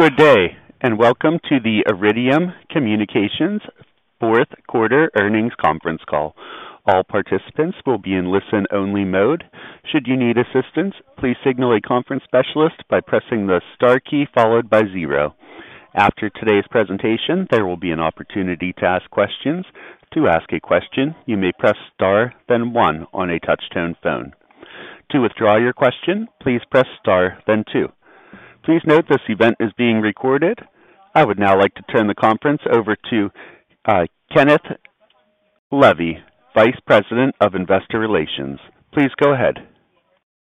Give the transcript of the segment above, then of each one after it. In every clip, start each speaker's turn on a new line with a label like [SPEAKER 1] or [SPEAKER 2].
[SPEAKER 1] Good day, welcome to the Iridium Communications Q4 earnings conference call. All participants will be in listen-only mode. Should you need assistance, please signal a conference specialist by pressing the star key followed by zero. After today's presentation, there will be an opportunity to ask questions. To ask a question, you may press Star, then one on a touch-tone phone. To withdraw your question, please press Star, then two. Please note this event is being recorded. I would now like to turn the conference over to Kenneth Levy, Vice President of Investor Relations. Please go ahead.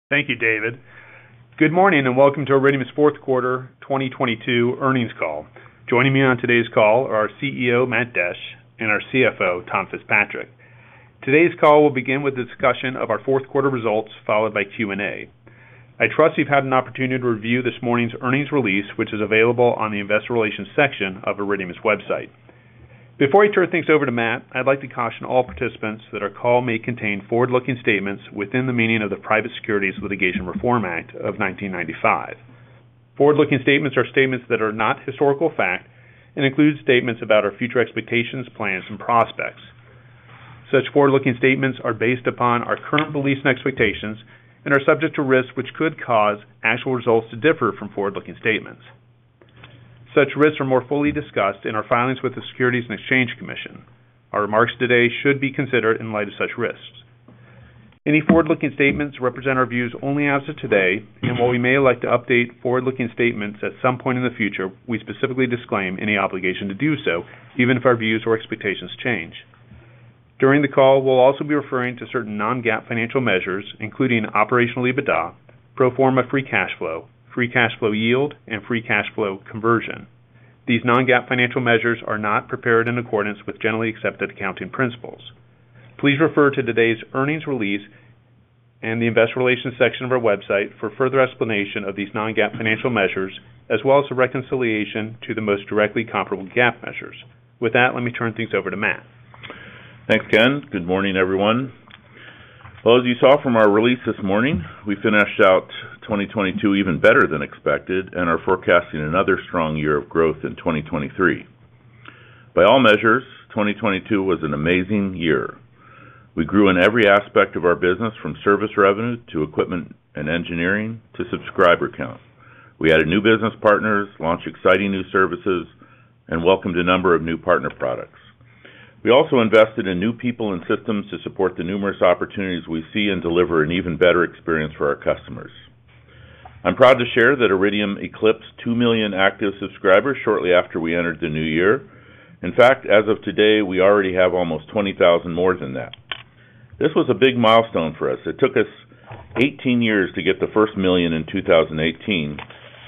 [SPEAKER 2] Thank you, David. Good morning. Welcome to Iridium's Q4 2022 earnings call. Joining me on today's call are our CEO, Matt Desch, and our CFO, Tom Fitzpatrick. Today's call will begin with a discussion of our Q4 results, followed by Q&A. I trust you've had an opportunity to review this morning's earnings release, which is available on the investor relations section of Iridium's website. Before I turn things over to Matt, I'd like to caution all participants that our call may contain forward-looking statements within the meaning of the Private Securities Litigation Reform Act of 1995. Forward-looking statements are statements that are not historical fact and include statements about our future expectations, plans, and prospects. Such forward-looking statements are based upon our current beliefs and expectations and are subject to risks which could cause actual results to differ from forward-looking statements. Such risks are more fully discussed in our filings with the Securities and Exchange Commission. Our remarks today should be considered in light of such risks. Any forward-looking statements represent our views only as of today, and while we may like to update forward-looking statements at some point in the future, we specifically disclaim any obligation to do so, even if our views or expectations change. During the call, we'll also be referring to certain non-GAAP financial measures, including operational EBITDA, pro forma free cash flow, free cash flow yield, and free cash flow conversion. These non-GAAP financial measures are not prepared in accordance with generally accepted accounting principles. Please refer to today's earnings release and the investor relations section of our website for further explanation of these non-GAAP financial measures, as well as a reconciliation to the most directly comparable GAAP measures. With that, let me turn things over to Matt.
[SPEAKER 3] Thanks, Ken. Good morning, everyone. As you saw from our release this morning, we finished out 2022 even better than expected and are forecasting another strong year of growth in 2023. By all measures, 2022 was an amazing year. We grew in every aspect of our business, from service revenue to equipment and engineering to subscriber count. We added new business partners, launched exciting new services, and welcomed a number of new partner products. We also invested in new people and systems to support the numerous opportunities we see and deliver an even better experience for our customers. I'm proud to share that Iridium eclipsed 2 million active subscribers shortly after we entered the new year. In fact, as of today, we already have almost 20,000 more than that. This was a big milestone for us. It took us 18 years to get the 1 million in 2018,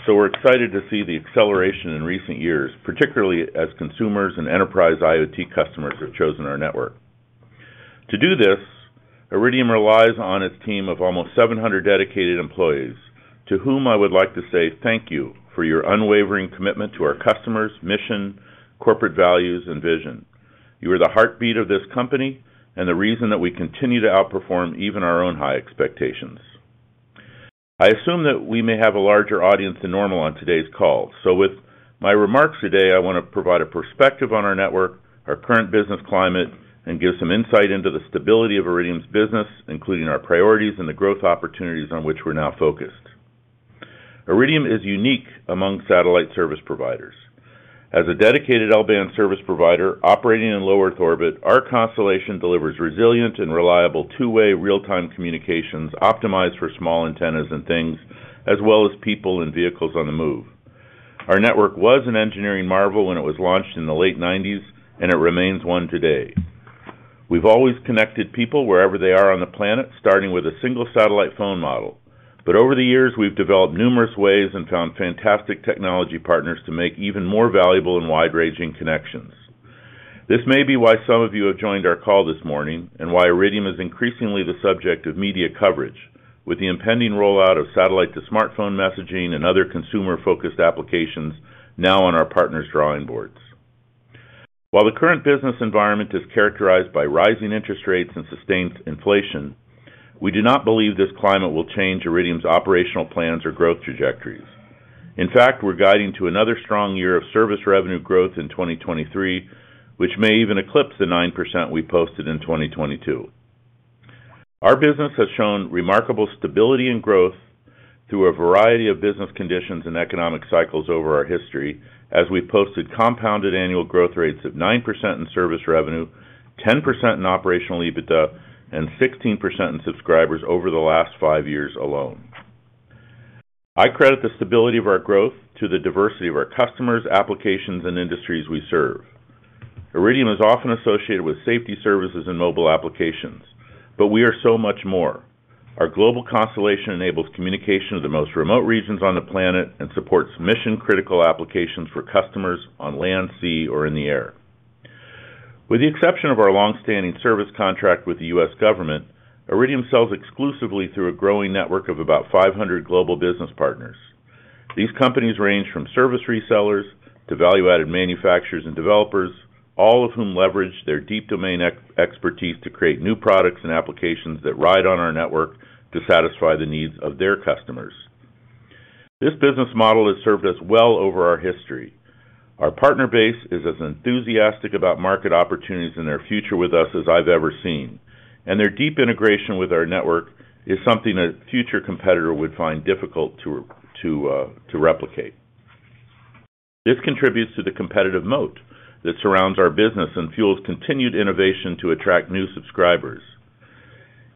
[SPEAKER 3] so we're excited to see the acceleration in recent years, particularly as consumers and enterprise IoT customers have chosen our network. To do this, Iridium relies on its team of almost 700 dedicated employees, to whom I would like to say thank you for your unwavering commitment to our customers, mission, corporate values, and vision. You are the heartbeat of this company and the reason that we continue to outperform even our own high expectations. I assume that we may have a larger audience than normal on today's call, so with my remarks today, I want to provide a perspective on our network, our current business climate, and give some insight into the stability of Iridium's business, including our priorities and the growth opportunities on which we're now focused. Iridium is unique among satellite service providers. As a dedicated L-band service provider operating in low Earth orbit, our constellation delivers resilient and reliable two-way real-time communications optimized for small antennas and things, as well as people and vehicles on the move. Our network was an engineering marvel when it was launched in the late nineties, and it remains one today. We've always connected people wherever they are on the planet, starting with a single satellite phone model. Over the years, we've developed numerous ways and found fantastic technology partners to make even more valuable and wide-ranging connections. This may be why some of you have joined our call this morning, and why Iridium is increasingly the subject of media coverage, with the impending rollout of satellite-to-smartphone messaging and other consumer-focused applications now on our partners' drawing boards. While the current business environment is characterized by rising interest rates and sustained inflation, we do not believe this climate will change Iridium's operational plans or growth trajectories. We're guiding to another strong year of service revenue growth in 2023, which may even eclipse the 9% we posted in 2022. Our business has shown remarkable stability and growth through a variety of business conditions and economic cycles over our history, as we've posted compounded annual growth rates of 9% in service revenue, 10% in Operational EBITDA, and 16% in subscribers over the last 5 years alone. I credit the stability of our growth to the diversity of our customers, applications, and industries we serve. Iridium is often associated with safety services and mobile applications, we are so much more. Our global constellation enables communication to the most remote regions on the planet and supports mission-critical applications for customers on land, sea, or in the air. With the exception of our long-standing service contract with the U.S. government, Iridium sells exclusively through a growing network of about 500 global business partners. These companies range from service resellers to value-added manufacturers and developers. All of whom leverage their deep domain expertise to create new products and applications that ride on our network to satisfy the needs of their customers. This business model has served us well over our history. Their deep integration with our network is something a future competitor would find difficult to replicate. This contributes to the competitive moat that surrounds our business and fuels continued innovation to attract new subscribers.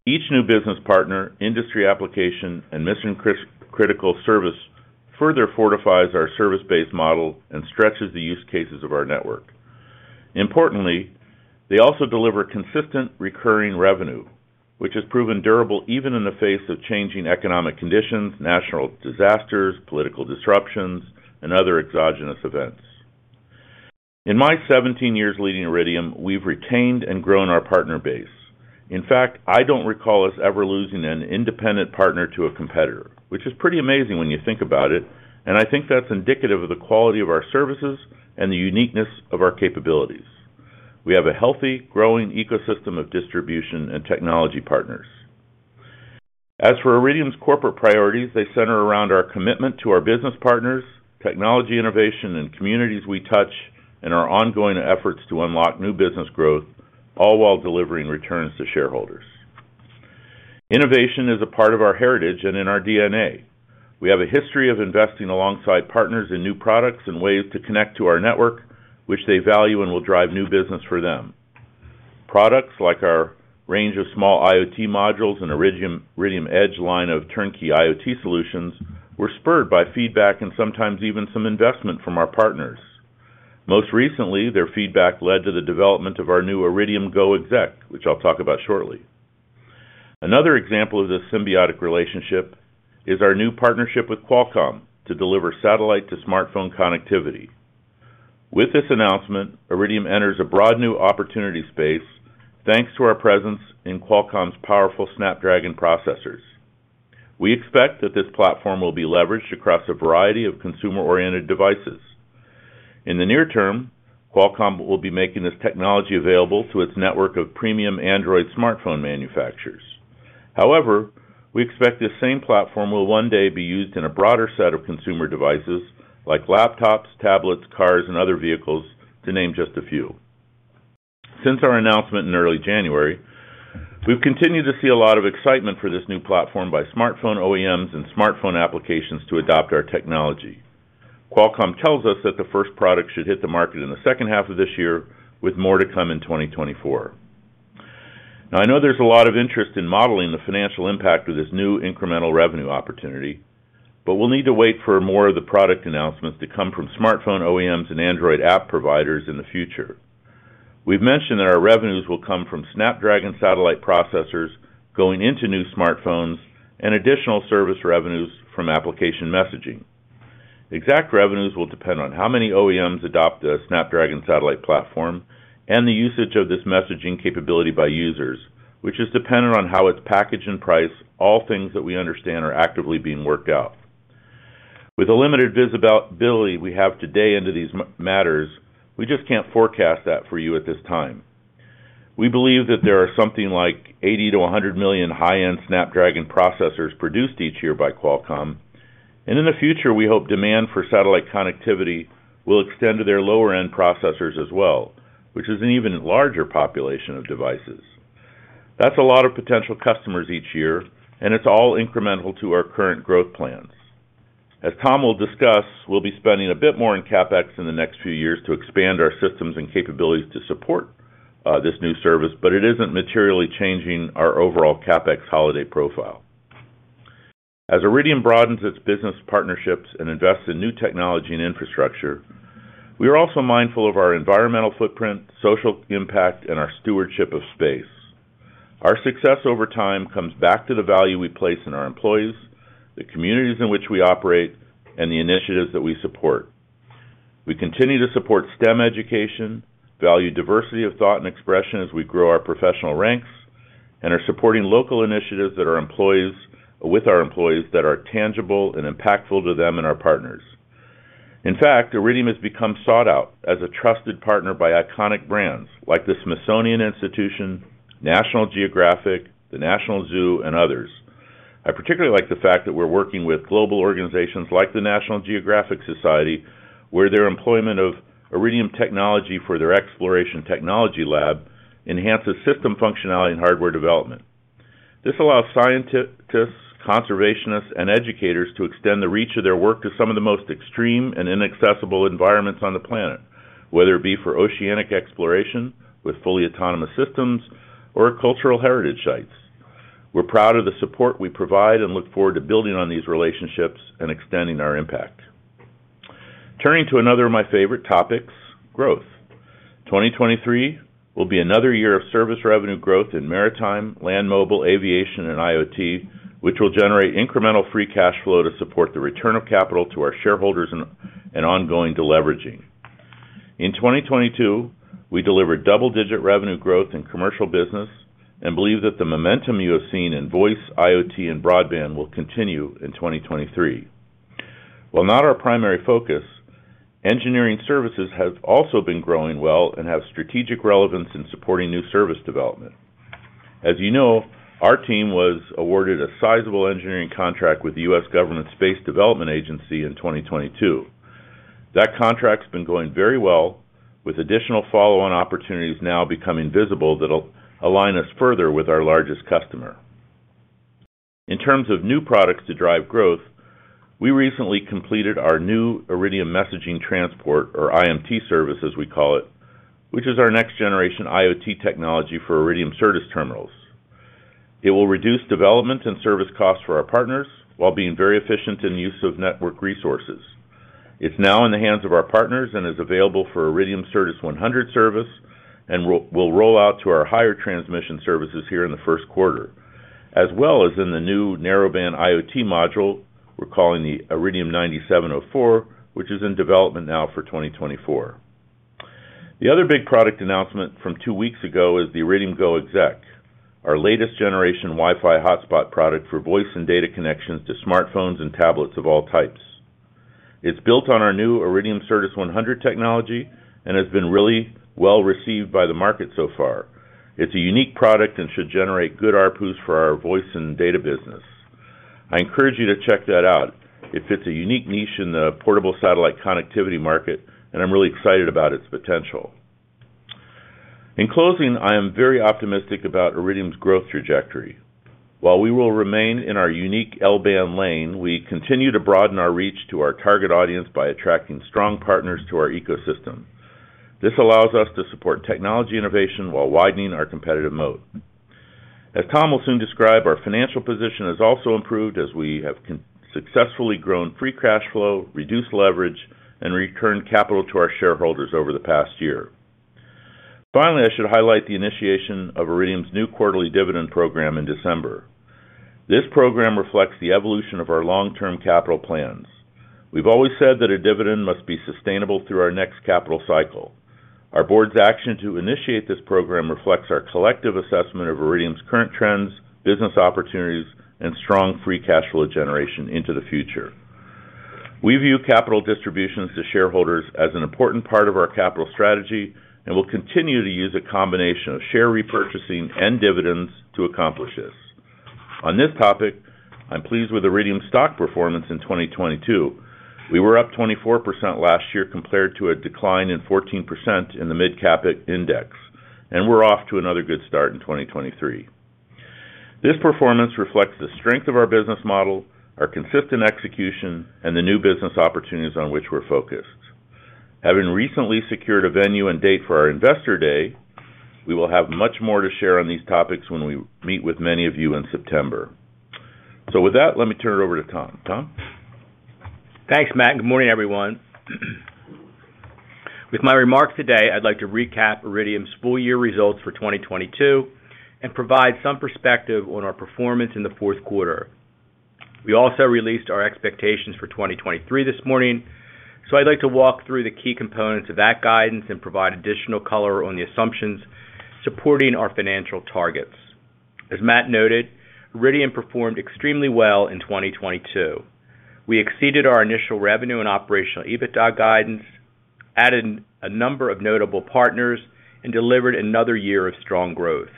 [SPEAKER 3] Each new business partner, industry application, and mission cri-critical service further fortifies our service-based model and stretches the use cases of our network. Importantly, they also deliver consistent recurring revenue, which has proven durable even in the face of changing economic conditions, natural disasters, political disruptions, and other exogenous events. In my 17 years leading Iridium, we've retained and grown our partner base. In fact, I don't recall us ever losing an independent partner to a competitor, which is pretty amazing when you think about it, and I think that's indicative of the quality of our services and the uniqueness of our capabilities. We have a healthy, growing ecosystem of distribution and technology partners. As for Iridium's corporate priorities, they center around our commitment to our business partners, technology innovation, and communities we touch, our ongoing efforts to unlock new business growth, all while delivering returns to shareholders. Innovation is a part of our heritage and in our DNA. We have a history of investing alongside partners in new products and ways to connect to our network, which they value and will drive new business for them. Products like our range of small IoT modules and Iridium Edge line of turnkey IoT solutions were spurred by feedback and sometimes even some investment from our partners. Most recently, their feedback led to the development of our new Iridium GO! exec, which I'll talk about shortly. Another example of this symbiotic relationship is our new partnership with Qualcomm to deliver satellite to smartphone connectivity. With this announcement, Iridium enters a broad new opportunity space, thanks to our presence in Qualcomm's powerful Snapdragon processors. We expect that this platform will be leveraged across a variety of consumer-oriented devices. In the near term, Qualcomm will be making this technology available to its network of premium Android smartphone manufacturers. However, we expect this same platform will one day be used in a broader set of consumer devices like laptops, tablets, cars, and other vehicles, to name just a few. Since our announcement in early January, we've continued to see a lot of excitement for this new platform by smartphone OEMs and smartphone applications to adopt our technology. Qualcomm tells us that the first product should hit the market in the second half of this year, with more to come in 2024. I know there's a lot of interest in modeling the financial impact of this new incremental revenue opportunity. We'll need to wait for more of the product announcements to come from smartphone OEMs and Android app providers in the future. We've mentioned that our revenues will come from Snapdragon Satellite processors going into new smartphones and additional service revenues from application messaging. Exact revenues will depend on how many OEMs adopt the Snapdragon Satellite platform and the usage of this messaging capability by users, which is dependent on how it's packaged and priced, all things that we understand are actively being worked out. With the limited visibility we have today into these matters, we just can't forecast that for you at this time. We believe that there are something like 80 million to 100 million high-end Snapdragon processors produced each year by Qualcomm. In the future, we hope demand for satellite connectivity will extend to their lower-end processors as well, which is an even larger population of devices. That's a lot of potential customers each year. It's all incremental to our current growth plans. As Tom will discuss, we'll be spending a bit more in CapEx in the next few years to expand our systems and capabilities to support this new service. It isn't materially changing our overall CapEx holiday profile. As Iridium broadens its business partnerships and invests in new technology and infrastructure, we are also mindful of our environmental footprint, social impact, and our stewardship of space. Our success over time comes back to the value we place in our employees, the communities in which we operate, and the initiatives that we support. We continue to support STEM education, value diversity of thought and expression as we grow our professional ranks, and are supporting local initiatives with our employees that are tangible and impactful to them and our partners. In fact, Iridium has become sought out as a trusted partner by iconic brands, like the Smithsonian Institution, National Geographic, the National Zoo, and others. I particularly like the fact that we're working with global organizations like the National Geographic Society, where their employment of Iridium technology for their Exploration Technology Lab enhances system functionality and hardware development. This allows scientists, conservationists, and educators to extend the reach of their work to some of the most extreme and inaccessible environments on the planet, whether it be for oceanic exploration with fully autonomous systems or cultural heritage sites. We're proud of the support we provide and look forward to building on these relationships and extending our impact. Turning to another of my favorite topics, growth. 2023 will be another year of service revenue growth in maritime, land mobile, aviation, and IoT, which will generate incremental free cash flow to support the return of capital to our shareholders and ongoing deleveraging. In 2022, we delivered double-digit revenue growth in commercial business and believe that the momentum you have seen in voice, IoT, and broadband will continue in 2023. While not our primary focus, engineering services has also been growing well and have strategic relevance in supporting new service development. As you know, our team was awarded a sizable engineering contract with the U.S. government Space Development Agency in 2022. That contract's been going very well, with additional follow-on opportunities now becoming visible that'll align us further with our largest customer. In terms of new products to drive growth, we recently completed our new Iridium Messaging Transport, or IMT service, as we call it, which is our next generation IoT technology for Iridium Certus terminals. It will reduce development and service costs for our partners while being very efficient in the use of network resources. It's now in the hands of our partners and is available for Iridium Certus 100 service, and will roll out to our higher transmission services here in the Q1, as well as in the new Narrowband-IoT module we're calling the Iridium 9704, which is in development now for 2024. The other big product announcement from two weeks ago is the Iridium GO! exec, our latest generation Wi-Fi hotspot product for voice and data connections to smartphones and tablets of all types. It's built on our new Iridium Certus 100 technology and has been really well-received by the market so far. It's a unique product and should generate good ARPU for our voice and data business. I encourage you to check that out. It fits a unique niche in the portable satellite connectivity market, and I'm really excited about its potential. In closing, I am very optimistic about Iridium's growth trajectory. While we will remain in our unique L-band lane, we continue to broaden our reach to our target audience by attracting strong partners to our ecosystem. This allows us to support technology innovation while widening our competitive moat. As Tom will soon describe, our financial position has also improved as we have successfully grown free cash flow, reduced leverage, and returned capital to our shareholders over the past year. Finally, I should highlight the initiation of Iridium's new quarterly dividend program in December. This program reflects the evolution of our long-term capital plans. We've always said that a dividend must be sustainable through our next capital cycle. Our board's action to initiate this program reflects our collective assessment of Iridium's current trends, business opportunities, and strong free cash flow generation into the future. We view capital distributions to shareholders as an important part of our capital strategy, and we'll continue to use a combination of share repurchasing and dividends to accomplish this. On this topic, I'm pleased with Iridium's stock performance in 2022. We were up 24% last year compared to a decline in 14% in the Mid-Cap Index, and we're off to another good start in 2023. This performance reflects the strength of our business model, our consistent execution, and the new business opportunities on which we're focused. Having recently secured a venue and date for our Investor Day, we will have much more to share on these topics when we meet with many of you in September. With that, let me turn it over to Tom. Tom?
[SPEAKER 4] Thanks, Matt. Good morning, everyone. With my remarks today, I'd like to recap Iridium's full year results for 2022 and provide some perspective on our performance in the Q4. We also released our expectations for 2023 this morning. I'd like to walk through the key components of that guidance and provide additional color on the assumptions supporting our financial targets. As Matt noted, Iridium performed extremely well in 2022. We exceeded our initial revenue and operational EBITDA guidance, added a number of notable partners, and delivered another year of strong growth.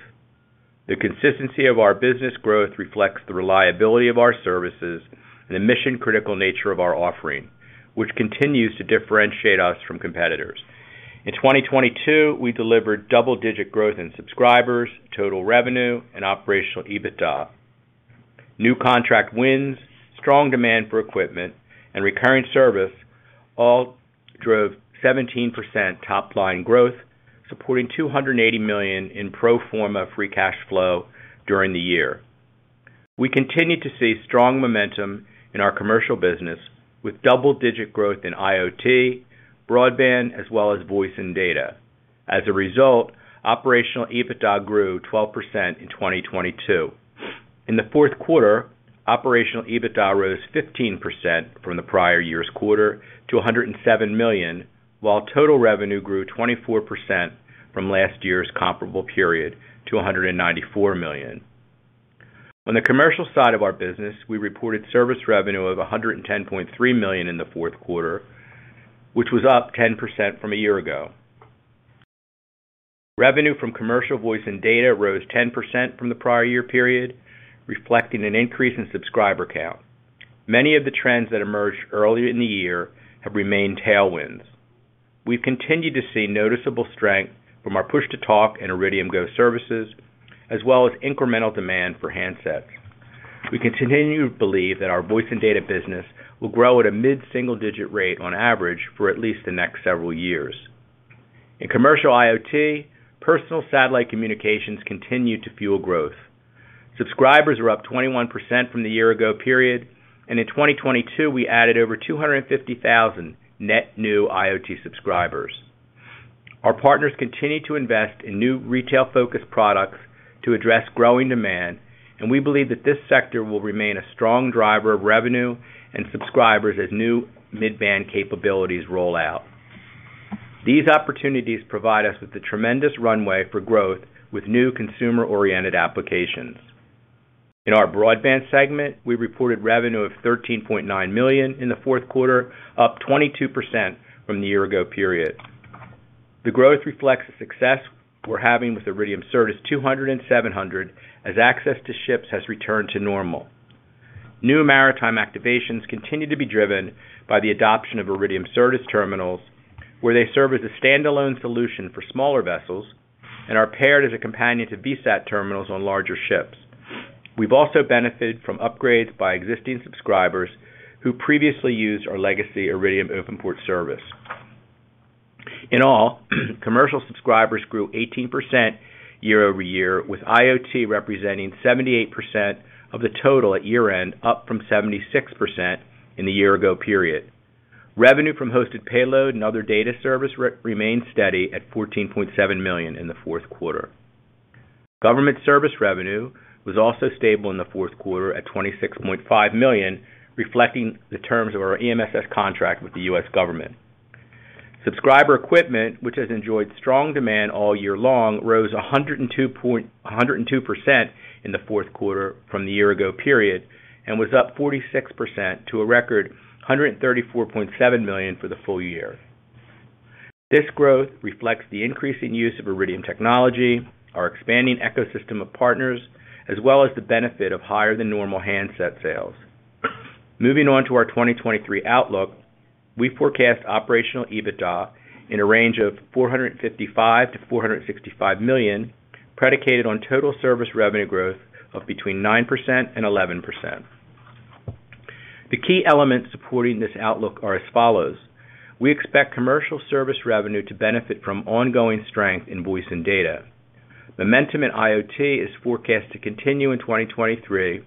[SPEAKER 4] The consistency of our business growth reflects the reliability of our services and the mission-critical nature of our offering, which continues to differentiate us from competitors. In 2022, we delivered double-digit growth in subscribers, total revenue, and operational EBITDA. New contract wins, strong demand for equipment, and recurring service all drove 17% top-line growth, supporting $280 million in pro forma free cash flow during the year. We continue to see strong momentum in our commercial business with double-digit growth in IoT, broadband, as well as voice and data. As a result, operational EBITDA grew 12% in 2022. In the Q4, operational EBITDA rose 15% from the prior year's quarter to $107 million, while total revenue grew 24% from last year's comparable period to $194 million. On the commercial side of our business, we reported service revenue of $110.3 million in the Q4, which was up 10% from a year ago. Revenue from commercial voice and data rose 10% from the prior year period, reflecting an increase in subscriber count. Many of the trends that emerged earlier in the year have remained tailwinds. We've continued to see noticeable strength from our Push-to-Talk and Iridium GO! services, as well as incremental demand for handsets. We continue to believe that our voice and data business will grow at a mid-single-digit rate on average for at least the next several years. In commercial IoT, personal satellite communications continue to fuel growth. Subscribers were up 21% from the year ago period, and in 2022, we added over 250,000 net new IoT subscribers. Our partners continue to invest in new retail-focused products to address growing demand. We believe that this sector will remain a strong driver of revenue and subscribers as new mid-band capabilities roll out. These opportunities provide us with the tremendous runway for growth with new consumer-oriented applications. In our broadband segment, we reported revenue of $13.9 million in the Q4, up 22% from the year-ago period. The growth reflects the success we're having with Iridium Certus 200 and 700, as access to ships has returned to normal. New maritime activations continue to be driven by the adoption of Iridium Certus terminals, where they serve as a standalone solution for smaller vessels and are paired as a companion to VSAT terminals on larger ships. We've also benefited from upgrades by existing subscribers who previously used our legacy Iridium OpenPort service. In all, commercial subscribers grew 18% year-over-year, with IoT representing 78% of the total at year-end, up from 76% in the year ago period. Revenue from hosted payload and other data service remains steady at $14.7 million in the Q4. Government service revenue was also stable in the Q4 at $26.5 million, reflecting the terms of our EMSS contract with the U.S. government. Subscriber equipment, which has enjoyed strong demand all year long, rose 102% in the Q4 from the year ago period and was up 46% to a record $134.7 million for the full year. This growth reflects the increasing use of Iridium technology, our expanding ecosystem of partners, as well as the benefit of higher than normal handset sales. Moving on to our 2023 outlook, we forecast Operational EBITDA in a range of $455 million-$465 million, predicated on total service revenue growth of between 9% and 11%. The key elements supporting this outlook are as follows. We expect commercial service revenue to benefit from ongoing strength in voice and data. Momentum in IoT is forecast to continue in 2023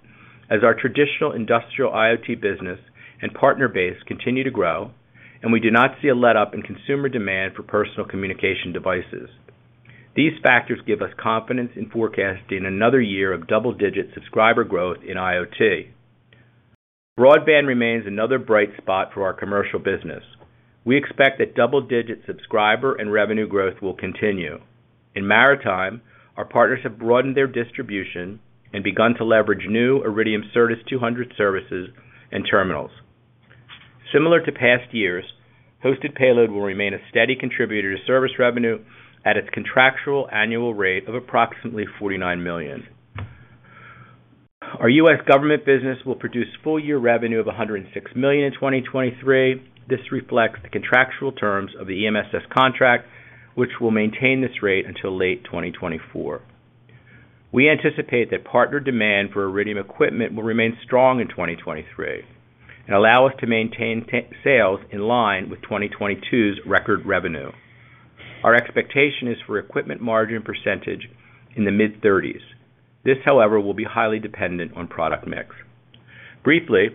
[SPEAKER 4] as our traditional industrial IoT business and partner base continue to grow, and we do not see a letup in consumer demand for personal communication devices. These factors give us confidence in forecasting another year of double-digit subscriber growth in IoT. Broadband remains another bright spot for our commercial business. We expect that double-digit subscriber and revenue growth will continue. In maritime, our partners have broadened their distribution and begun to leverage new Iridium Certus 200 services and terminals. Similar to past years, hosted payload will remain a steady contributor to service revenue at its contractual annual rate of approximately $49 million. Our U.S. government business will produce full-year revenue of $106 million in 2023. This reflects the contractual terms of the EMSS contract, which will maintain this rate until late 2024. We anticipate that partner demand for Iridium equipment will remain strong in 2023 and allow us to maintain sales in line with 2022's record revenue. Our expectation is for equipment margin percentage in the mid-thirties. This, however, will be highly dependent on product mix. Briefly,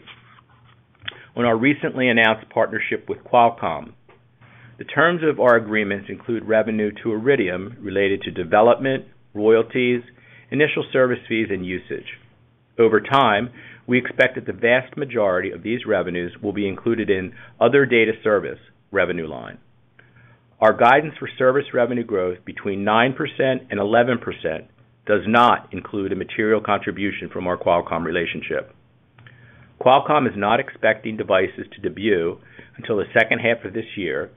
[SPEAKER 4] on our recently announced partnership with Qualcomm, the terms of our agreements include revenue to Iridium related to development, royalties, initial service fees, and usage. Over time, we expect that the vast majority of these revenues will be included in other data service revenue line. Our guidance for service revenue growth between 9% and 11% does not include a material contribution from our Qualcomm relationship. Qualcomm is not expecting devices to debut until the second half of this year,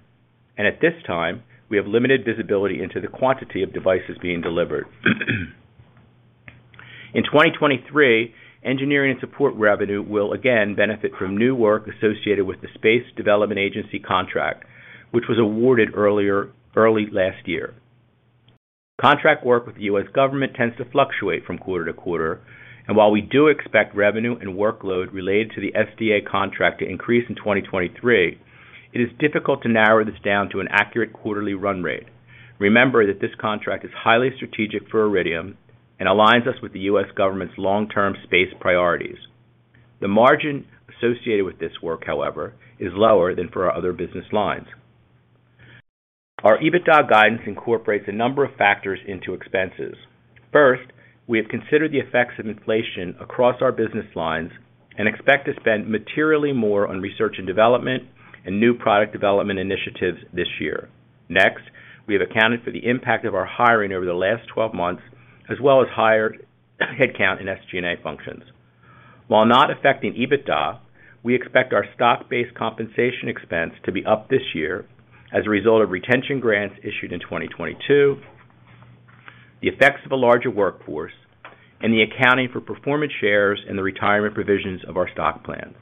[SPEAKER 4] and at this time, we have limited visibility into the quantity of devices being delivered. In 2023, engineering and support revenue will again benefit from new work associated with the Space Development Agency contract, which was awarded early last year. Contract work with the U.S. government tends to fluctuate from quarter to quarter, and while we do expect revenue and workload related to the SDA contract to increase in 2023, it is difficult to narrow this down to an accurate quarterly run rate. Remember that this contract is highly strategic for Iridium and aligns us with the U.S. government's long-term space priorities. The margin associated with this work, however, is lower than for our other business lines. Our EBITDA guidance incorporates a number of factors into expenses. First, we have considered the effects of inflation across our business lines and expect to spend materially more on research and development and new product development initiatives this year. Next, we have accounted for the impact of our hiring over the last 12 months, as well as higher headcount in SG&A functions. While not affecting EBITDA, we expect our stock-based compensation expense to be up this year as a result of retention grants issued in 2022, the effects of a larger workforce, and the accounting for performance shares in the retirement provisions of our stock plans.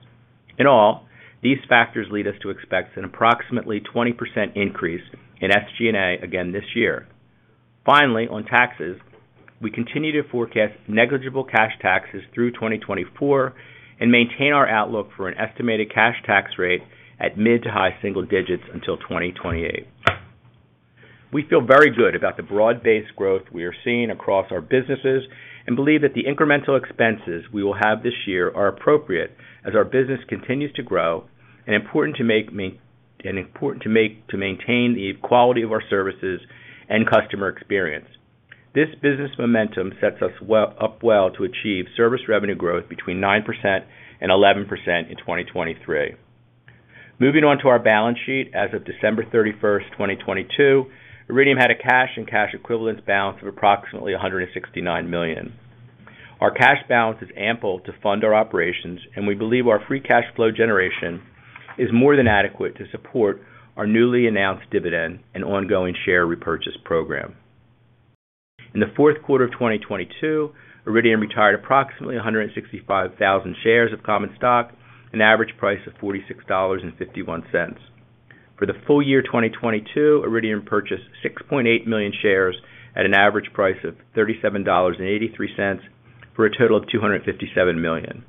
[SPEAKER 4] In all, these factors lead us to expect an approximately 20% increase in SG&A again this year. On taxes, we continue to forecast negligible cash taxes through 2024 and maintain our outlook for an estimated cash tax rate at mid to high single digits until 2028. We feel very good about the broad-based growth we are seeing across our businesses and believe that the incremental expenses we will have this year are appropriate as our business continues to grow and important to make to maintain the quality of our services and customer experience. This business momentum sets us up well to achieve service revenue growth between 9% and 11% in 2023. Moving on to our balance sheet. As of December 31st, 2022, Iridium had a cash and cash equivalents balance of approximately $169 million. Our cash balance is ample to fund our operations. We believe our free cash flow generation is more than adequate to support our newly announced dividend and ongoing share repurchase program. In the Q4 of 2022, Iridium retired approximately 165,000 shares of common stock, an average price of $46.51. For the full year 2022, Iridium purchased 6.8 million shares at an average price of $37.83 for a total of $257 million.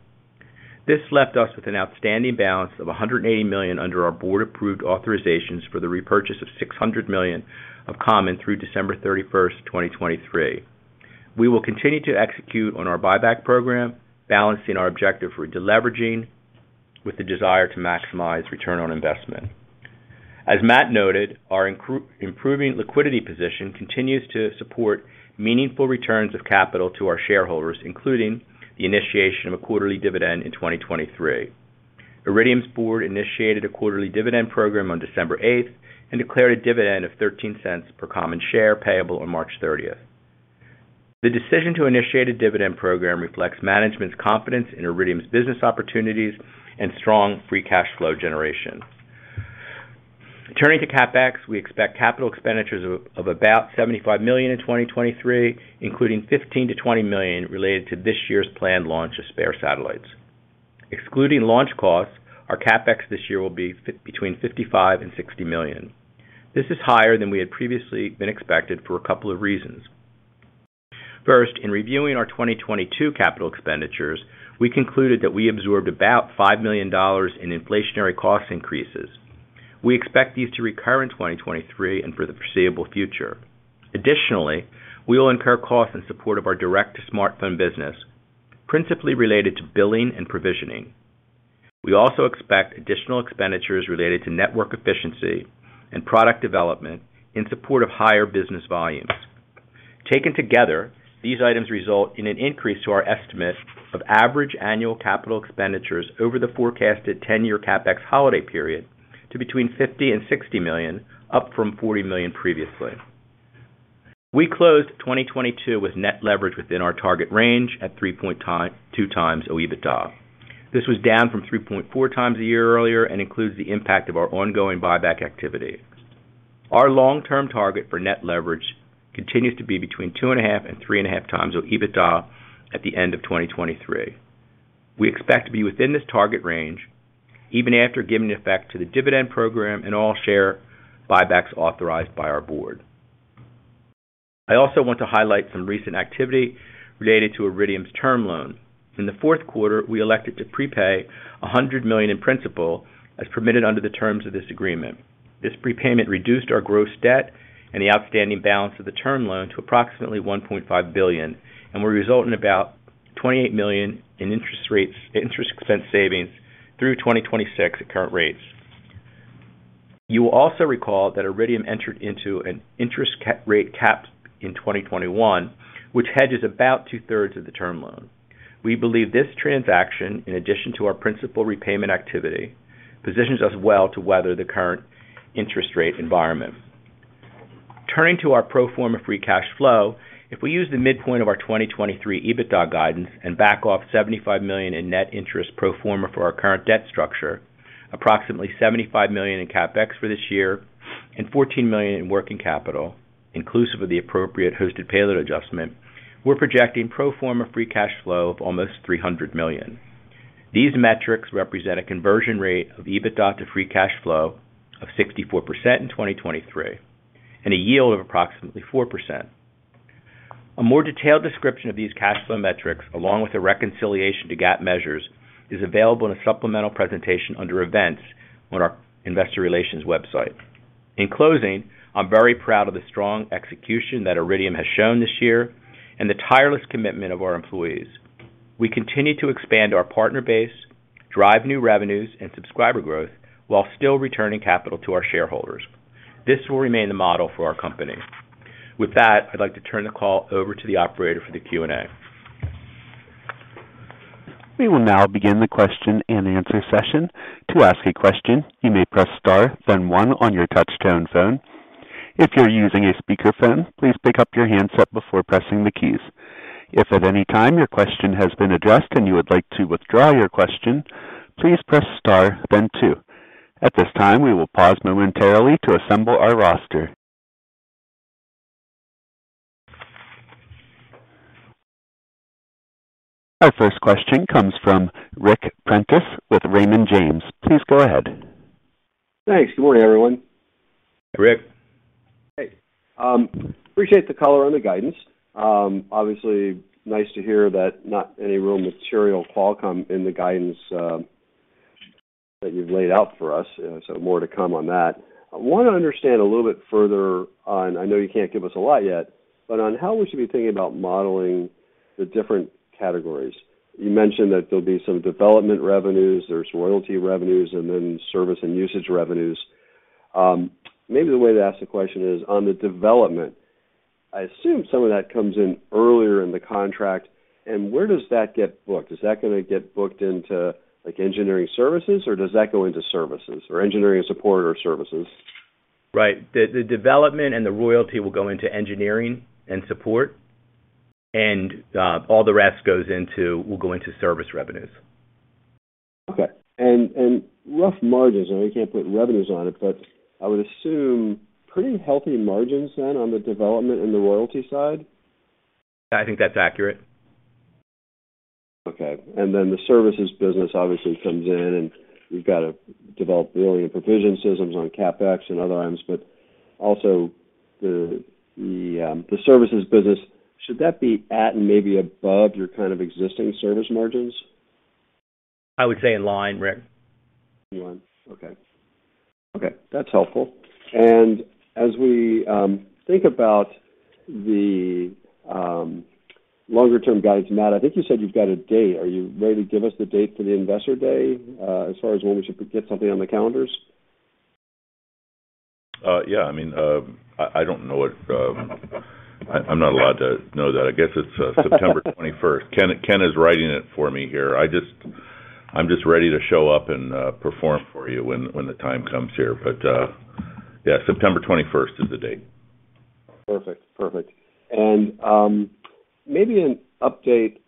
[SPEAKER 4] This left us with an outstanding balance of $180 million under our board-approved authorizations for the repurchase of $600 million of common through December thirty-first, 2023. We will continue to execute on our buyback program, balancing our objective for deleveraging with the desire to maximize return on investment. As Matt noted, our improving liquidity position continues to support meaningful returns of capital to our shareholders, including the initiation of a quarterly dividend in 2023. Iridium's board initiated a quarterly dividend program on December 8th and declared a dividend of $0.13 per common share payable on March 30th. The decision to initiate a dividend program reflects management's confidence in Iridium's business opportunities and strong free cash flow generation. Turning to CapEx, we expect capital expenditures of about $75 million in 2023, including $15 million-$20 million related to this year's planned launch of spare satellites. Excluding launch costs, our CapEx this year will be between $55 million and $60 million. This is higher than we had previously been expected for a couple of reasons. First, in reviewing our 2022 capital expenditures, we concluded that we absorbed about $5 million in inflationary cost increases. We expect these to recur in 2023 and for the foreseeable future. Additionally, we will incur costs in support of our direct smartphone business, principally related to billing and provisioning. We also expect additional expenditures related to network efficiency and product development in support of higher business volumes. Taken together, these items result in an increase to our estimate of average annual capital expenditures over the forecasted 10-year CapEx holiday period to between $50 million and $60 million, up from $40 million previously. We closed 2022 with net leverage within our target range at 3.2 times OIBDA. This was down from 3.4 times a year earlier and includes the impact of our ongoing buyback activity. Our long-term target for net leverage continues to be between 2.5 and 3.5 times OIBDA at the end of 2023. We expect to be within this target range even after giving effect to the dividend program and all share buybacks authorized by our board. I also want to highlight some recent activity related to Iridium's term loan. In the Q4, we elected to prepay $100 million in principal, as permitted under the terms of this agreement. This prepayment reduced our gross debt and the outstanding balance of the term loan to approximately $1.5 billion, and will result in about $28 million in interest expense savings through 2026 at current rates. You will also recall that Iridium entered into an interest rate cap in 2021, which hedges about two-thirds of the term loan. We believe this transaction, in addition to our principal repayment activity, positions us well to weather the current interest rate environment. Turning to our pro forma free cash flow, if we use the midpoint of our 2023 OIBDA guidance and back off $75 million in net interest pro forma for our current debt structure, approximately $75 million in CapEx for this year and $14 million in working capital, inclusive of the appropriate hosted payload adjustment, we're projecting pro forma free cash flow of almost $300 million. These metrics represent a conversion rate of OIBDA to free cash flow of 64% in 2023 and a yield of approximately 4%. A more detailed description of these cash flow metrics, along with a reconciliation to GAAP measures, is available in a supplemental presentation under Events on our investor relations website. In closing, I'm very proud of the strong execution that Iridium has shown this year and the tireless commitment of our employees. We continue to expand our partner base, drive new revenues and subscriber growth while still returning capital to our shareholders. This will remain the model for our company. With that, I'd like to turn the call over to the operator for the Q&A.
[SPEAKER 1] We will now begin the question-and-answer session. To ask a question, you may press star one on your touch-tone phone. If you're using a speakerphone, please pick up your handset before pressing the keys. If at any time your question has been addressed and you would like to withdraw your question, please press star two. At this time, we will pause momentarily to assemble our roster. Our first question comes from Ric Prentiss with Raymond James. Please go ahead.
[SPEAKER 5] Thanks. Good morning, everyone.
[SPEAKER 3] Ric.
[SPEAKER 5] Hey, appreciate the color on the guidance. Obviously nice to hear that not any real material Qualcomm in the guidance that you've laid out for us. More to come on that. I wanna understand a little bit further on, I know you can't give us a lot yet, but on how we should be thinking about modeling the different categories. You mentioned that there'll be some development revenues, there's royalty revenues, and then service and usage revenues. Maybe the way to ask the question is on the development, I assume some of that comes in earlier in the contract. Where does that get booked? Is that gonna get booked into, like, engineering services, or does that go into services or engineering and support or services?
[SPEAKER 4] Right. The development and the royalty will go into engineering and support, and all the rest will go into service revenues.
[SPEAKER 5] Okay. And rough margins, I know you can't put revenues on it, but I would assume pretty healthy margins then on the development and the royalty side.
[SPEAKER 4] I think that's accurate.
[SPEAKER 5] Okay. The services business obviously comes in, and you've got to develop really efficient systems on CapEx and other items, but also the services business, should that be at and maybe above your kind of existing service margins?
[SPEAKER 4] I would say in line, Ric.
[SPEAKER 5] In line, okay. Okay, that's helpful. As we think about the longer-term guidance, Matt, I think you said you've got a date. Are you ready to give us the date for the Investor Day as far as when we should put something on the calendars?
[SPEAKER 3] Yeah. I mean, I don't know it. I'm not allowed to know that. I guess it's September twenty-first. Ken is writing it for me here. I'm just ready to show up and perform for you when the time comes here. Yeah, September twenty-first is the date.
[SPEAKER 5] Perfect. Perfect. Maybe an update.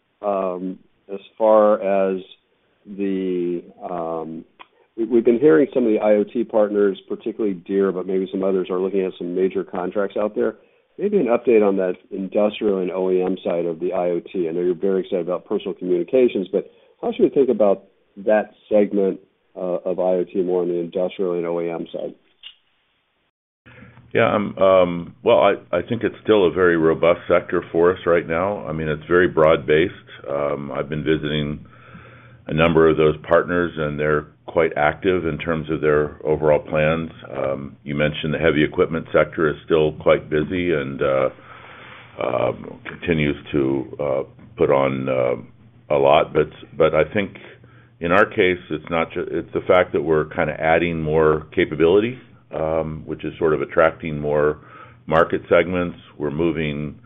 [SPEAKER 5] We've been hearing some of the IoT partners, particularly Deere, but maybe some others, are looking at some major contracts out there. Maybe an update on that industrial and OEM side of the IoT. I know you're very excited about personal communications, how should we think about that segment of IoT more on the industrial and OEM side?
[SPEAKER 3] Yeah. Well, I think it's still a very robust sector for us right now. I mean, it's very broad-based. I've been visiting a number of those partners. They're quite active in terms of their overall plans. You mentioned the heavy equipment sector is still quite busy. It continues to put on a lot. I think in our case, it's not it's the fact that we're kinda adding more capability, which is sort of attracting more market segments. We're moving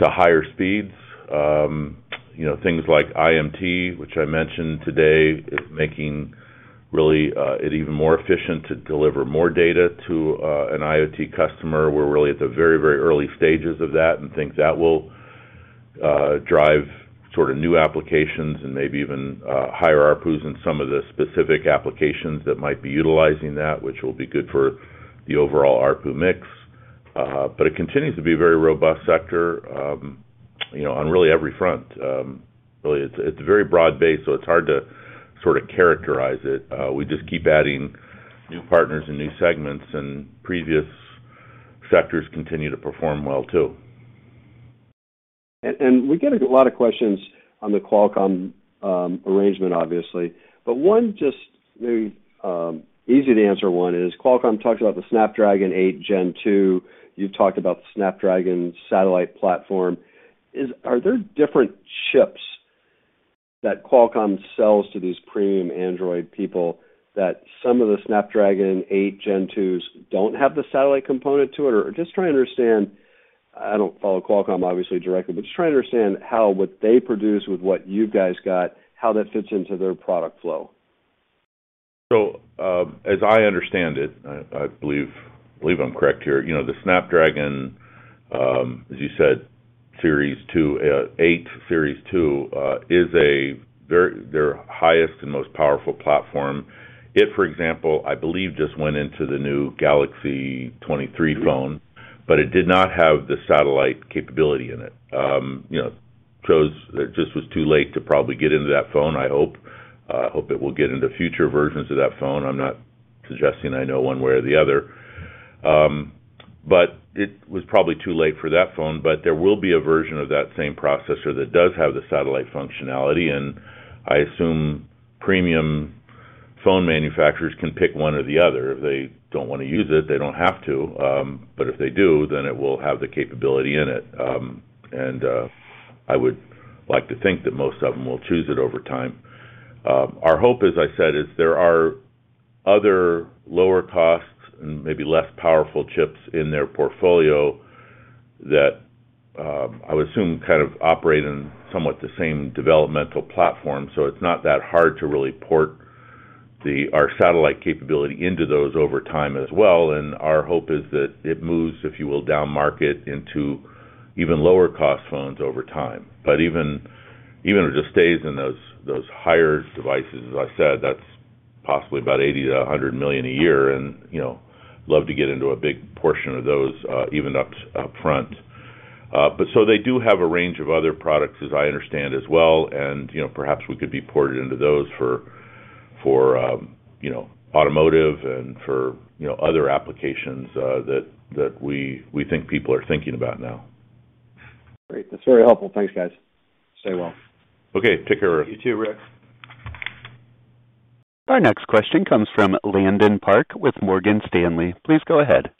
[SPEAKER 3] to higher speeds. You know, things like IMT, which I mentioned today, is making really it even more efficient to deliver more data to an IoT customer. We're really at the very, very early stages of that and think that will drive sort of new applications and maybe even higher ARPU in some of the specific applications that might be utilizing that, which will be good for the overall ARPU mix. It continues to be a very robust sector, you know, on really every front. Really, it's very broad-based, so it's hard to sort of characterize it. We just keep adding new partners and new segments, and previous sectors continue to perform well too.
[SPEAKER 5] We get a lot of questions on the Qualcomm arrangement obviously. One just maybe easy to answer one is Qualcomm talks about the Snapdragon 8 Gen 2. You've talked about the Snapdragon satellite platform. Are there different chips that Qualcomm sells to these premium Android people that some of the Snapdragon 8 Gen 2s don't have the satellite component to it? Just trying to understand, I don't follow Qualcomm obviously directly, but just trying to understand how what they produce with what you guys got, how that fits into their product flow.
[SPEAKER 3] As I understand it, I believe I'm correct here. You know, the Snapdragon, as you said, Series Two, Eight Series Two, is their highest and most powerful platform. It, for example, I believe just went into the new Galaxy S23 phone, but it did not have the satellite capability in it. You know, it just was too late to probably get into that phone, I hope. Hope it will get into future versions of that phone. I'm not suggesting I know one way or the other. It was probably too late for that phone. There will be a version of that same processor that does have the satellite functionality, and I assume premium phone manufacturers can pick one or the other. If they don't wanna use it, they don't have to. If they do, it will have the capability in it. I would like to think that most of them will choose it over time. Our hope, as I said, is there are other lower costs and maybe less powerful chips in their portfolio that I would assume kind of operate in somewhat the same developmental platform, so it's not that hard to really port our satellite capability into those over time as well. Our hope is that it moves, if you will, down market into even lower cost phones over time. Even if it just stays in those higher devices, as I said, that's possibly about $80 million-$100 million a year and, you know, love to get into a big portion of those even up front. They do have a range of other products, as I understand as well. You know, perhaps we could be ported into those for, you know, automotive and for, you know, other applications, that we think people are thinking about now.
[SPEAKER 5] Great. That's very helpful. Thanks, guys. Stay well.
[SPEAKER 3] Okay. Take care.
[SPEAKER 4] You too, Ric.
[SPEAKER 1] Our next question comes from Landon Park with Morgan Stanley. Please go ahead.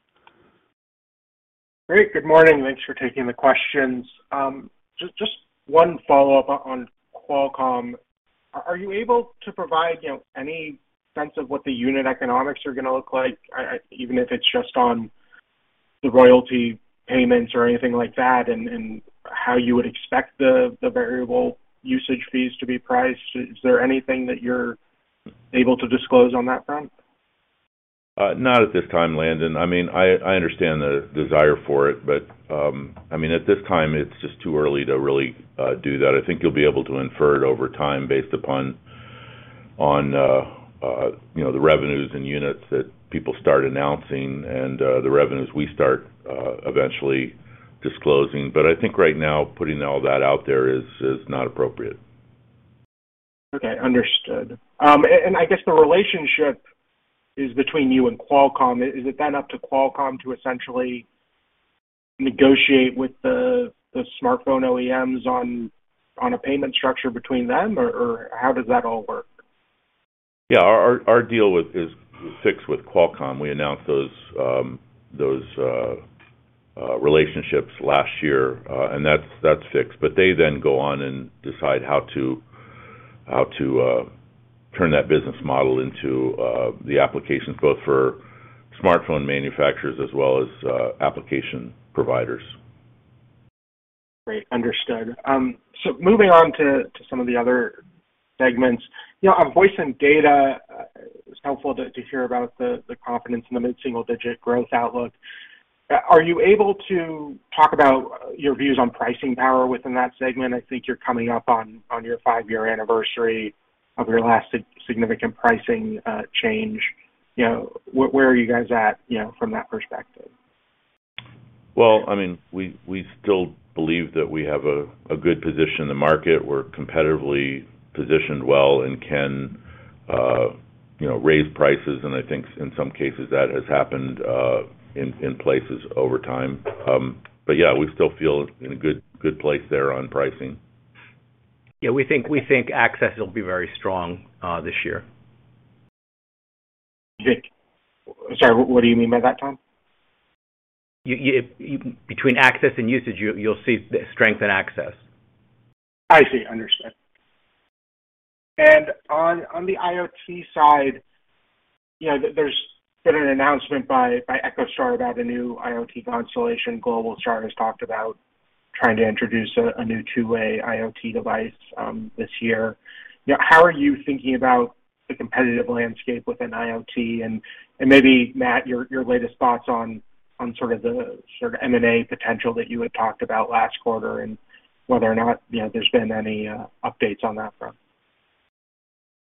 [SPEAKER 6] Great. Good morning. Thanks for taking the questions. Just one follow-up on Qualcomm. Are you able to provide, you know, any sense of what the unit economics are gonna look like, even if it's just on the royalty payments or anything like that, and how you would expect the variable usage fees to be priced? Is there anything that you're able to disclose on that front?
[SPEAKER 3] Not at this time, Landon. I mean, I understand the desire for it, but, I mean, at this time, it's just too early to really do that. I think you'll be able to infer it over time based upon, you know, the revenues and units that people start announcing and, the revenues we start eventually disclosing. I think right now, putting all that out there is not appropriate.
[SPEAKER 6] Okay, understood. And I guess the relationship is between you and Qualcomm. Is it up to Qualcomm to essentially negotiate with the smartphone OEMs on a payment structure between them, or how does that all work?
[SPEAKER 3] Yeah. Our deal with is fixed with Qualcomm. We announced those relationships last year, and that's fixed. They then go on and decide how to turn that business model into the applications both for smartphone manufacturers as well as application providers.
[SPEAKER 6] Great. Understood. Moving on to some of the other segments. You know, on voice and data, it's helpful to hear about the confidence in the mid-single digit growth outlook. Are you able to talk about your views on pricing power within that segment? I think you're coming up on your five-year anniversary of your last significant pricing change. You know, where are you guys at, you know, from that perspective?
[SPEAKER 3] Well, I mean, we still believe that we have a good position in the market. We're competitively positioned well and can, you know, raise prices, and I think in some cases that has happened in places over time. Yeah, we still feel in a good place there on pricing.
[SPEAKER 4] Yeah, we think access will be very strong this year.
[SPEAKER 6] You think... Sorry, what do you mean by that, Tom?
[SPEAKER 4] You, between access and usage, you'll see strength in access.
[SPEAKER 6] I see. Understood. On the IoT side, you know, there's been an announcement by EchoStar about a new IoT constellation. Globalstar has talked about trying to introduce a new two-way IoT device this year. You know, how are you thinking about the competitive landscape within IoT? Maybe, Matt, your latest thoughts on sort of the M&A potential that you had talked about last quarter, and whether or not, you know, there's been any updates on that front.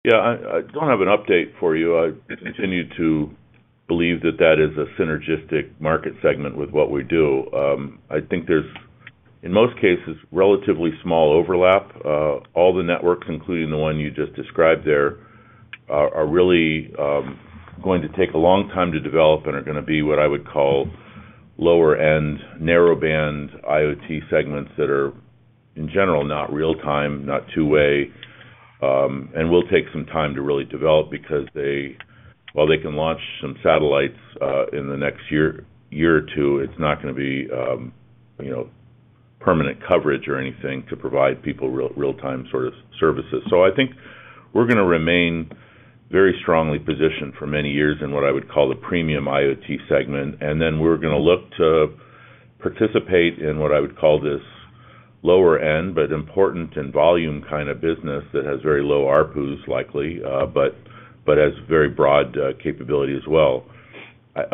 [SPEAKER 3] Yeah. I don't have an update for you. I continue to believe that that is a synergistic market segment with what we do. I think there's, in most cases, relatively small overlap. All the networks, including the one you just described there, are really going to take a long time to develop and are gonna be what I would call lower end Narrowband-IoT segments that are, in general, not real-time, not two-way, and will take some time to really develop because while they can launch some satellites, in the next year or two, it's not gonna be, you know, permanent coverage or anything to provide people real-time sort of services. I think we're gonna remain very strongly positioned for many years in what I would call the premium IoT segment, and then we're gonna look to participate in what I would call this lower end but important in volume kind of business that has very low ARPU, likely, but has very broad capability as well.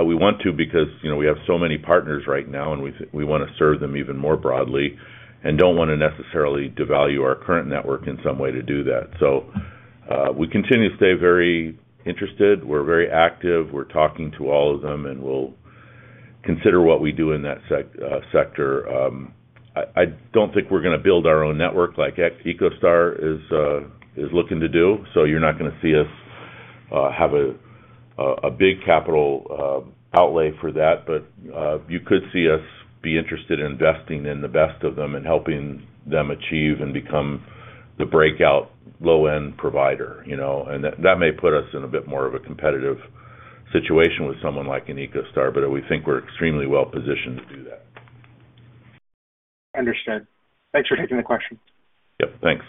[SPEAKER 3] We want to because, you know, we have so many partners right now, and we wanna serve them even more broadly and don't wanna necessarily devalue our current network in some way to do that. We continue to stay very interested. We're very active. We're talking to all of them, and we'll consider what we do in that sector. I don't think we're gonna build our own network like EchoStar is looking to do, so you're not gonna see us have a big capital outlay for that. You could see us be interested in investing in the best of them and helping them achieve and become the breakout low-end provider, you know. That may put us in a bit more of a competitive situation with someone like an EchoStar, but we think we're extremely well-positioned to do that. Understood. Thanks for taking the question. Yep. Thanks.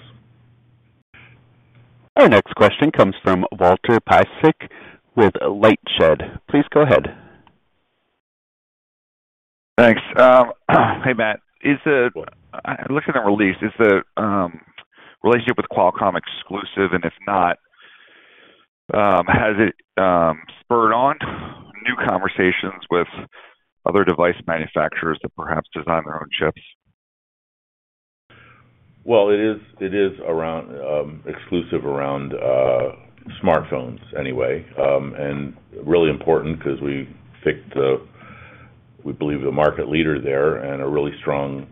[SPEAKER 1] Our next question comes from Walter Piecyk with Lightshed. Please go ahead.
[SPEAKER 7] Thanks. Hey, Matt. I looked at the release. Is the relationship with Qualcomm exclusive? If not, has it spurred on new conversations with other device manufacturers to perhaps design their own chips?
[SPEAKER 3] Well, it is around exclusive around smartphones anyway, and really important 'cause we picked, we believe, the market leader there and a really strong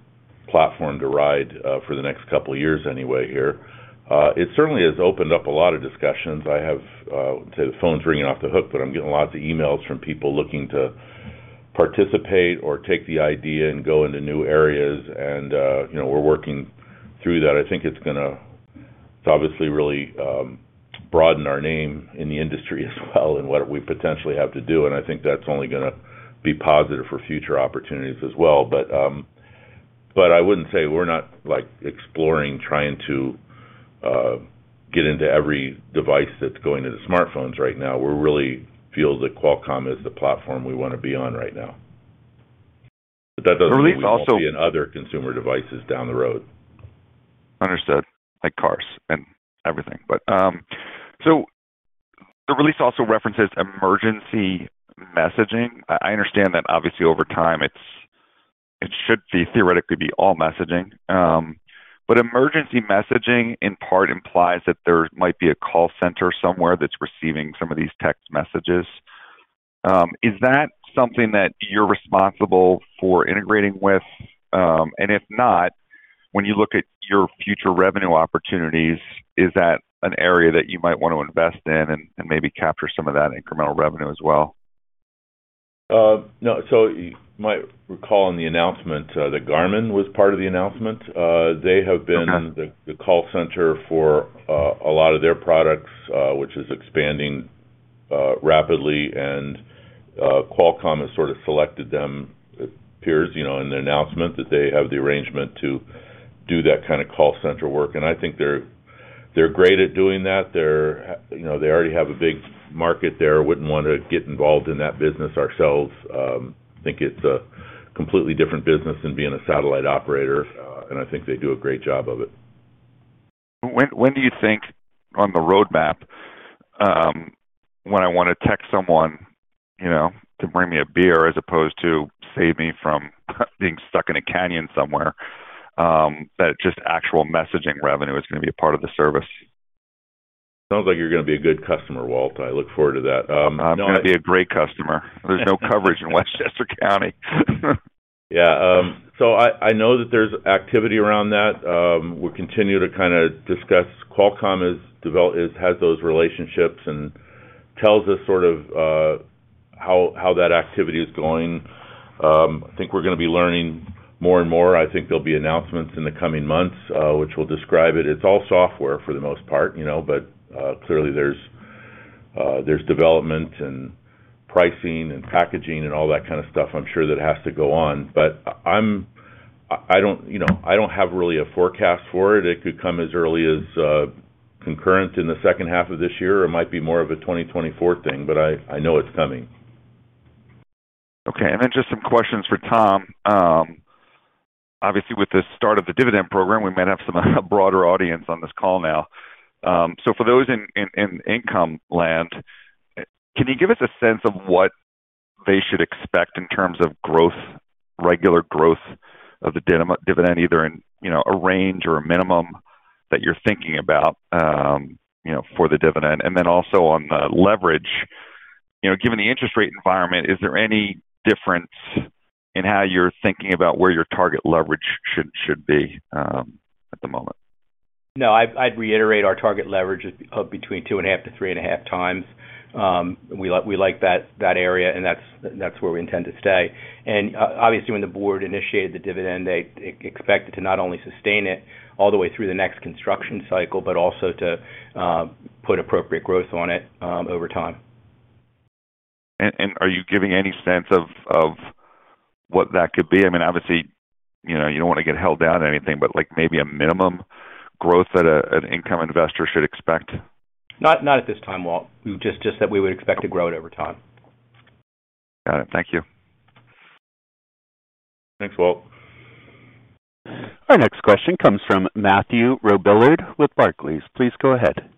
[SPEAKER 3] platform to ride for the next couple of years anyway here. It certainly has opened up a lot of discussions. I have, the phone's ringing off the hook, but I'm getting lots of emails from people looking to participate or take the idea and go into new areas, you know, we're working through that. I think It's obviously really broadened our name in the industry as well and what we potentially have to do, and I think that's only gonna be positive for future opportunities as well. I wouldn't say we're not, like, exploring trying to get into every device that's going into smartphones right now. We're really feel that Qualcomm is the platform we wanna be on right now. That doesn't mean-
[SPEAKER 7] The release.
[SPEAKER 3] We won't be in other consumer devices down the road.
[SPEAKER 7] Understood. Like cars and everything. The release also references emergency messaging. I understand that obviously over time, it's, it should be theoretically be all messaging. Emergency messaging in part implies that there might be a call center somewhere that's receiving some of these text messages. Is that something that you're responsible for integrating with? If not, when you look at your future revenue opportunities, is that an area that you might want to invest in and maybe capture some of that incremental revenue as well?
[SPEAKER 3] No. You might recall in the announcement, that Garmin was part of the announcement. They have been-
[SPEAKER 7] Okay.
[SPEAKER 3] the call center for a lot of their products, which is expanding rapidly. Qualcomm has sort of selected them, it appears, you know, in the announcement that they have the arrangement to do that kind of call center work. I think they're great at doing that. You know, they already have a big market there. Wouldn't wanna get involved in that business ourselves. Think it's a completely different business than being a satellite operator, and I think they do a great job of it.
[SPEAKER 7] When do you think on the roadmap, when I wanna text someone, you know, to bring me a beer as opposed to save me from being stuck in a canyon somewhere, that just actual messaging revenue is gonna be a part of the service?
[SPEAKER 3] Sounds like you're gonna be a good customer, Walter. I look forward to that.
[SPEAKER 7] I'm gonna be a great customer. There's no coverage in Westchester County.
[SPEAKER 3] Yeah. I know that there's activity around that. We continue to kind of discuss. Qualcomm has those relationships and tells us sort of how that activity is going. I think we're going to be learning more and more. I think there'll be announcements in the coming months, which will describe it. It's all software for the most part, you know, but clearly there's development and pricing and packaging and all that kind of stuff, I'm sure that has to go on. I don't, you know, I don't have really a forecast for it. It could come as early as concurrent in the second half of this year, or it might be more of a 2024 thing, but I know it's coming.
[SPEAKER 7] Okay. Just some questions for Tom. Obviously with the start of the dividend program, we might have some broader audience on this call now. So for those in income land, can you give us a sense of what they should expect in terms of growth, regular growth of the dividend, either in, you know, a range or a minimum that you're thinking about, you know, for the dividend? Also on the leverage, you know, given the interest rate environment, is there any difference in how you're thinking about where your target leverage should be at the moment?
[SPEAKER 4] No. I'd reiterate our target leverage is between 2.5x-3.5x. We like that area, and that's where we intend to stay. Obviously, when the board initiated the dividend, they expect it to not only sustain it all the way through the next construction cycle but also to put appropriate growth on it over time.
[SPEAKER 7] Are you giving any sense of what that could be? I mean, obviously, you know, you don't wanna get held down or anything, but, like, maybe a minimum growth that an income investor should expect?
[SPEAKER 4] Not at this time, Walt. We just that we would expect to grow it over time.
[SPEAKER 7] Got it. Thank you.
[SPEAKER 3] Thanks, Walter.
[SPEAKER 1] Our next question comes from Mathieu Robilliard with Barclays. Please go ahead.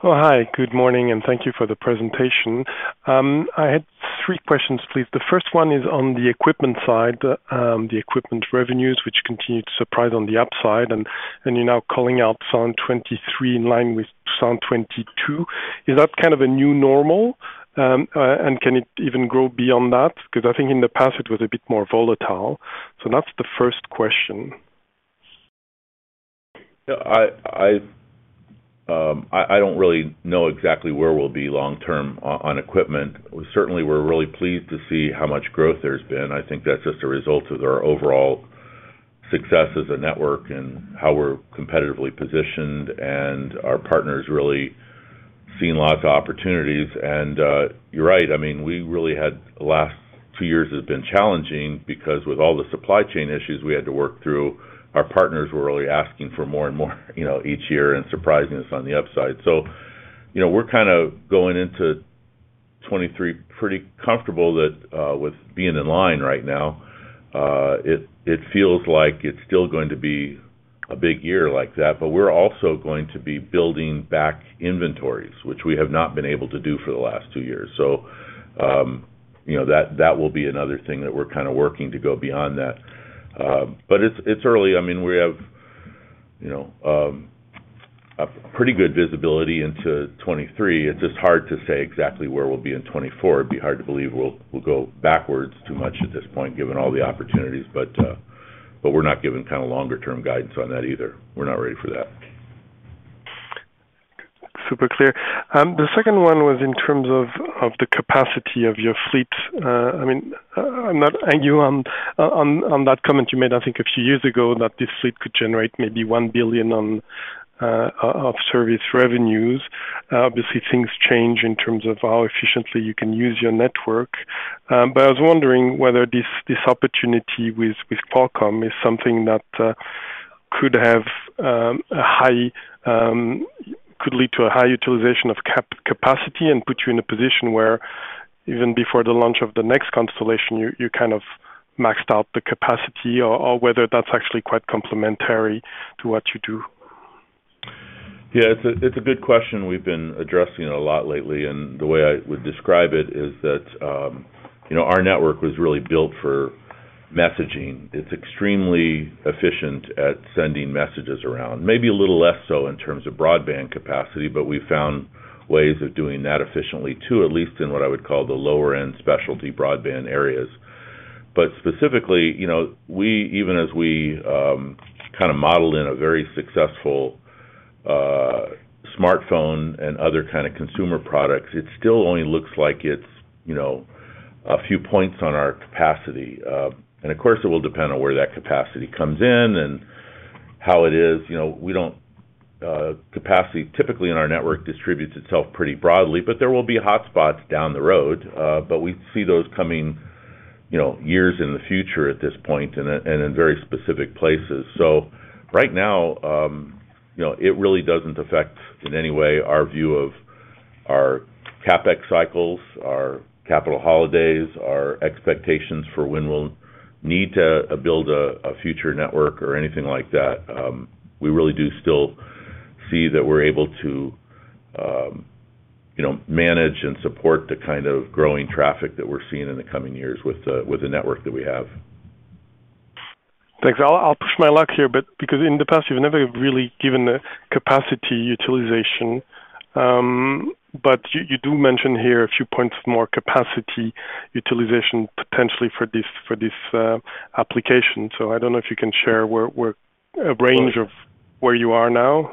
[SPEAKER 8] Hi. Good morning, thank you for the presentation. I had three questions, please. The first one is on the equipment side, the equipment revenues, which continued to surprise on the upside, and you're now calling out 2023 in line with 2022. Is that kind of a new normal? And can it even grow beyond that? I think in the past, it was a bit more volatile. That's the first question.
[SPEAKER 3] Yeah. I don't really know exactly where we'll be long term on equipment. Certainly, we're really pleased to see how much growth there's been. I think that's just a result of our overall success as a network and how we're competitively positioned, and our partners really seeing lots of opportunities. you're right, I mean, we really the last two years has been challenging because with all the supply chain issues we had to work through, our partners were really asking for more and more, you know, each year and surprising us on the upside. you know we're kinda going into 23 pretty comfortable that with being in line right now. It feels like it's still going to be a big year like that, but we're also going to be building back inventories, which we have not been able to do for the last two years. You know, that will be another thing that we're kinda working to go beyond that. It's early. I mean, we have, you know, a pretty good visibility into 2023. It's just hard to say exactly where we'll be in 2024. It'd be hard to believe we'll go backwards too much at this point, given all the opportunities. We're not giving kinda longer term guidance on that either. We're not ready for that.
[SPEAKER 8] Super clear. The second one was in terms of the capacity of your fleet. I mean, and you on that comment you made, I think a few years ago, that this fleet could generate maybe $1 billion of service revenues. Obviously, things change in terms of how efficiently you can use your network. I was wondering whether this opportunity with Qualcomm is something that could have a high, could lead to a high utilization of capacity and put you in a position where even before the launch of the next constellation, you kind of maxed out the capacity or whether that's actually quite complementary to what you do.
[SPEAKER 3] Yeah. It's a good question we've been addressing a lot lately, and the way I would describe it is that, you know, our network was really built for messaging. It's extremely efficient at sending messages around. Maybe a little less so in terms of broadband capacity, but we found ways of doing that efficiently too, at least in what I would call the lower-end specialty broadband areas. Specifically, you know, even as we kind of modeled in a very successful smartphone and other kind of consumer products, it still only looks like it's, you know, a few points on our capacity. Of course, it will depend on where that capacity comes in and how it is. You know, we don't, capacity typically in our network distributes itself pretty broadly, but there will be hotspots down the road, but we see those coming, you know, years in the future at this point and in very specific places. Right now, you know, it really doesn't affect in any way our view of our CapEx cycles, our capital holidays, our expectations for when we'll need to build a future network or anything like that. We really do still see that we're able to, you know, manage and support the kind of growing traffic that we're seeing in the coming years with the network that we have.
[SPEAKER 8] Thanks. I'll push my luck here, because in the past, you've never really given a capacity utilization, you do mention here a few points more capacity utilization potentially for this application. I don't know if you can share where a range of where you are now.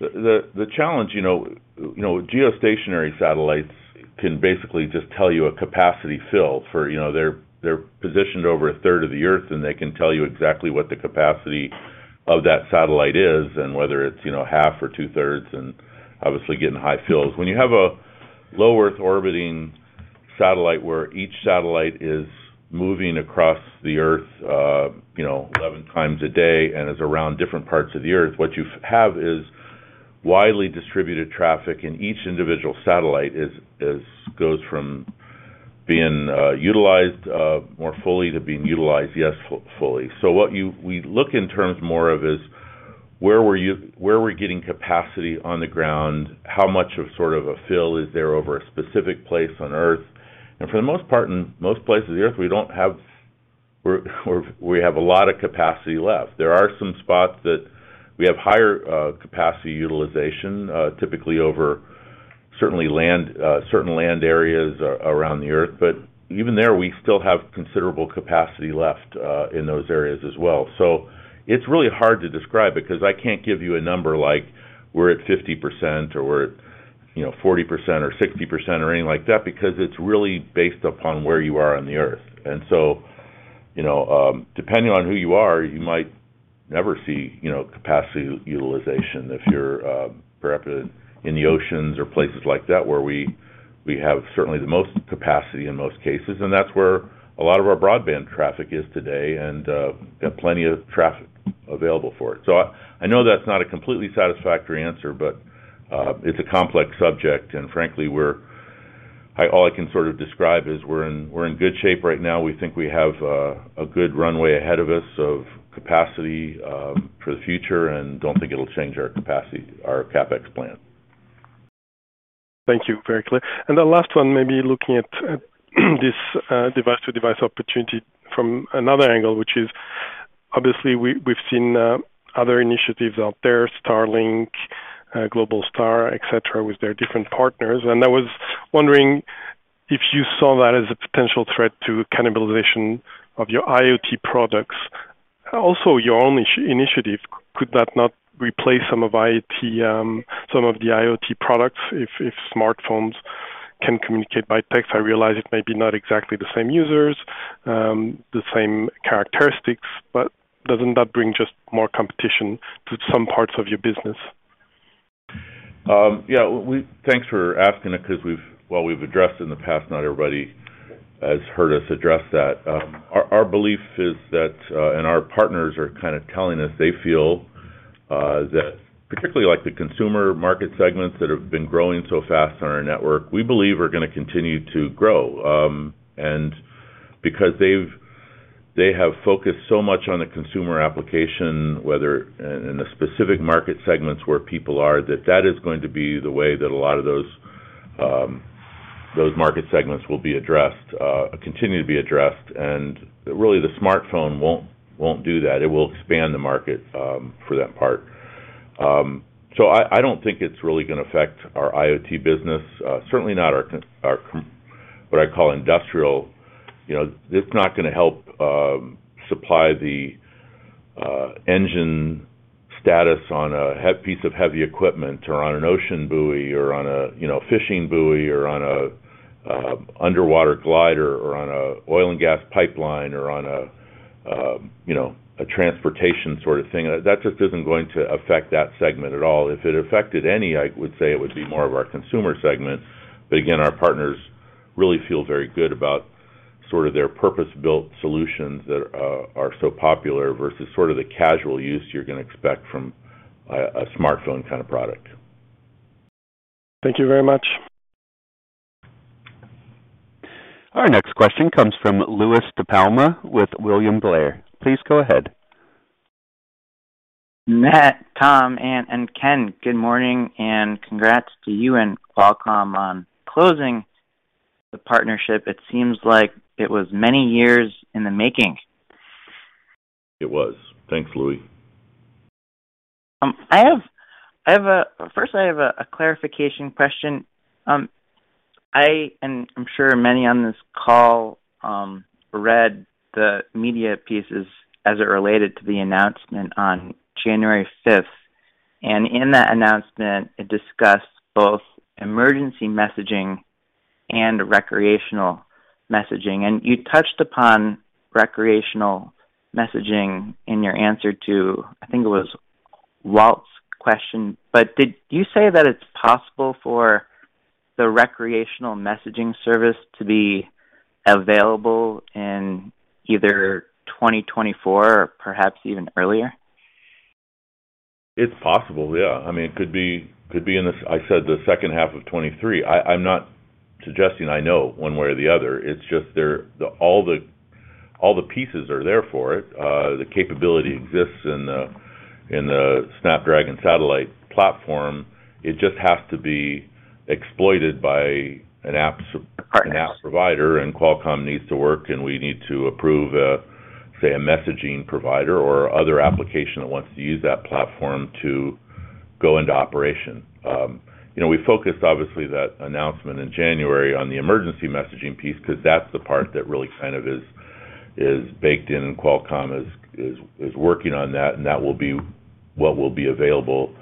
[SPEAKER 3] The challenge, you know, you know, geostationary satellites can basically just tell you a capacity fill for, you know, they're positioned over a third of the Earth, and they can tell you exactly what the capacity of that satellite is and whether it's, you know, half or two-thirds and obviously getting high fills. When you have a low Earth orbiting satellite where each satellite is moving across the Earth, you know, 11 times a day and is around different parts of the Earth, what you have is widely distributed traffic, and each individual satellite is goes from being utilized more fully to being utilized, yes, fully. What we look in terms more of is where we're getting capacity on the ground, how much of sort of a fill is there over a specific place on Earth. For the most part, in most places the Earth, we don't have... We have a lot of capacity left. There are some spots that we have higher capacity utilization, typically over certainly land, certain land areas around the Earth. Even there, we still have considerable capacity left in those areas as well. It's really hard to describe because I can't give you a number like we're at 50% or we're at, you know, 40% or 60% or anything like that because it's really based upon where you are on the Earth. You know, depending on who you are, you might never see, you know, capacity utilization if you're, perhaps in the oceans or places like that where we have certainly the most capacity in most cases, and that's where a lot of our broadband traffic is today and plenty of traffic available for it. I know that's not a completely satisfactory answer, but, it's a complex subject, and frankly, all I can sort of describe is we're in good shape right now. We think we have a good runway ahead of us of capacity, for the future and don't think it'll change our capacity, our CapEx plan.
[SPEAKER 8] Thank you. Very clear. The last one, maybe looking at this device-to-device opportunity from another angle, which is obviously we've seen other initiatives out there, Starlink, Globalstar, et cetera, with their different partners. I was wondering if you saw that as a potential threat to cannibalization of your IoT products. Your own initiative, could that not replace some of IoT, some of the IoT products if smartphones can communicate by text? I realize it may be not exactly the same users, the same characteristics, doesn't that bring just more competition to some parts of your business?
[SPEAKER 3] Yeah. Thanks for asking it 'cause while we've addressed in the past, not everybody has heard us address that. Our, our belief is that, and our partners are kind of telling us they feel, that particularly, like, the consumer market segments that have been growing so fast on our network, we believe are gonna continue to grow. Because they have focused so much on the consumer application, whether in the specific market segments where people are, that that is going to be the way that a lot of those market segments will be addressed, continue to be addressed. Really, the smartphone won't do that. It will expand the market, for that part. I don't think it's really gonna affect our IoT business, certainly not our what I call industrial. You know, it's not gonna help, supply engine status on a piece of heavy equipment or on an ocean buoy or on a, you know, fishing buoy or on a underwater glider or on a oil and gas pipeline or on a, you know, a transportation sort of thing. That just isn't going to affect that segment at all. If it affected any, I would say it would be more of our consumer segment. Again, our partners really feel very good about sort of their purpose-built solutions that are so popular versus sort of the casual use you're gonna expect from a smartphone kind of product.
[SPEAKER 4] Thank you very much.
[SPEAKER 1] Our next question comes from Louie DiPalma with William Blair. Please go ahead.
[SPEAKER 9] Matt, Tom, and Ken, good morning, and congrats to you and Qualcomm on closing the partnership. It seems like it was many years in the making.
[SPEAKER 3] It was. Thanks, Louie.
[SPEAKER 9] First, I have a clarification question. I, and I'm sure many on this call, read the media pieces as it related to the announcement on January 5th. In that announcement, it discussed both emergency messaging and recreational messaging. You touched upon recreational messaging in your answer to, I think it was Walt's question. Did you say that it's possible for the recreational messaging service to be available in either 2024 or perhaps even earlier?
[SPEAKER 3] It's possible, yeah. I mean, it could be, could be in the, I said the second half of 2023. I'm not suggesting I know one way or the other. It's just all the pieces are there for it. The capability exists in the, in the Snapdragon Satellite platform. It just has to be exploited by an app.
[SPEAKER 9] Partner.
[SPEAKER 3] An app provider, Qualcomm needs to work, We need to approve a, say, a messaging provider or other application that wants to use that platform to go into operation. You know, we focused obviously that announcement in January on the emergency messaging piece because that's the part that really kind of is baked in, Qualcomm is working on that, and that will be what will be available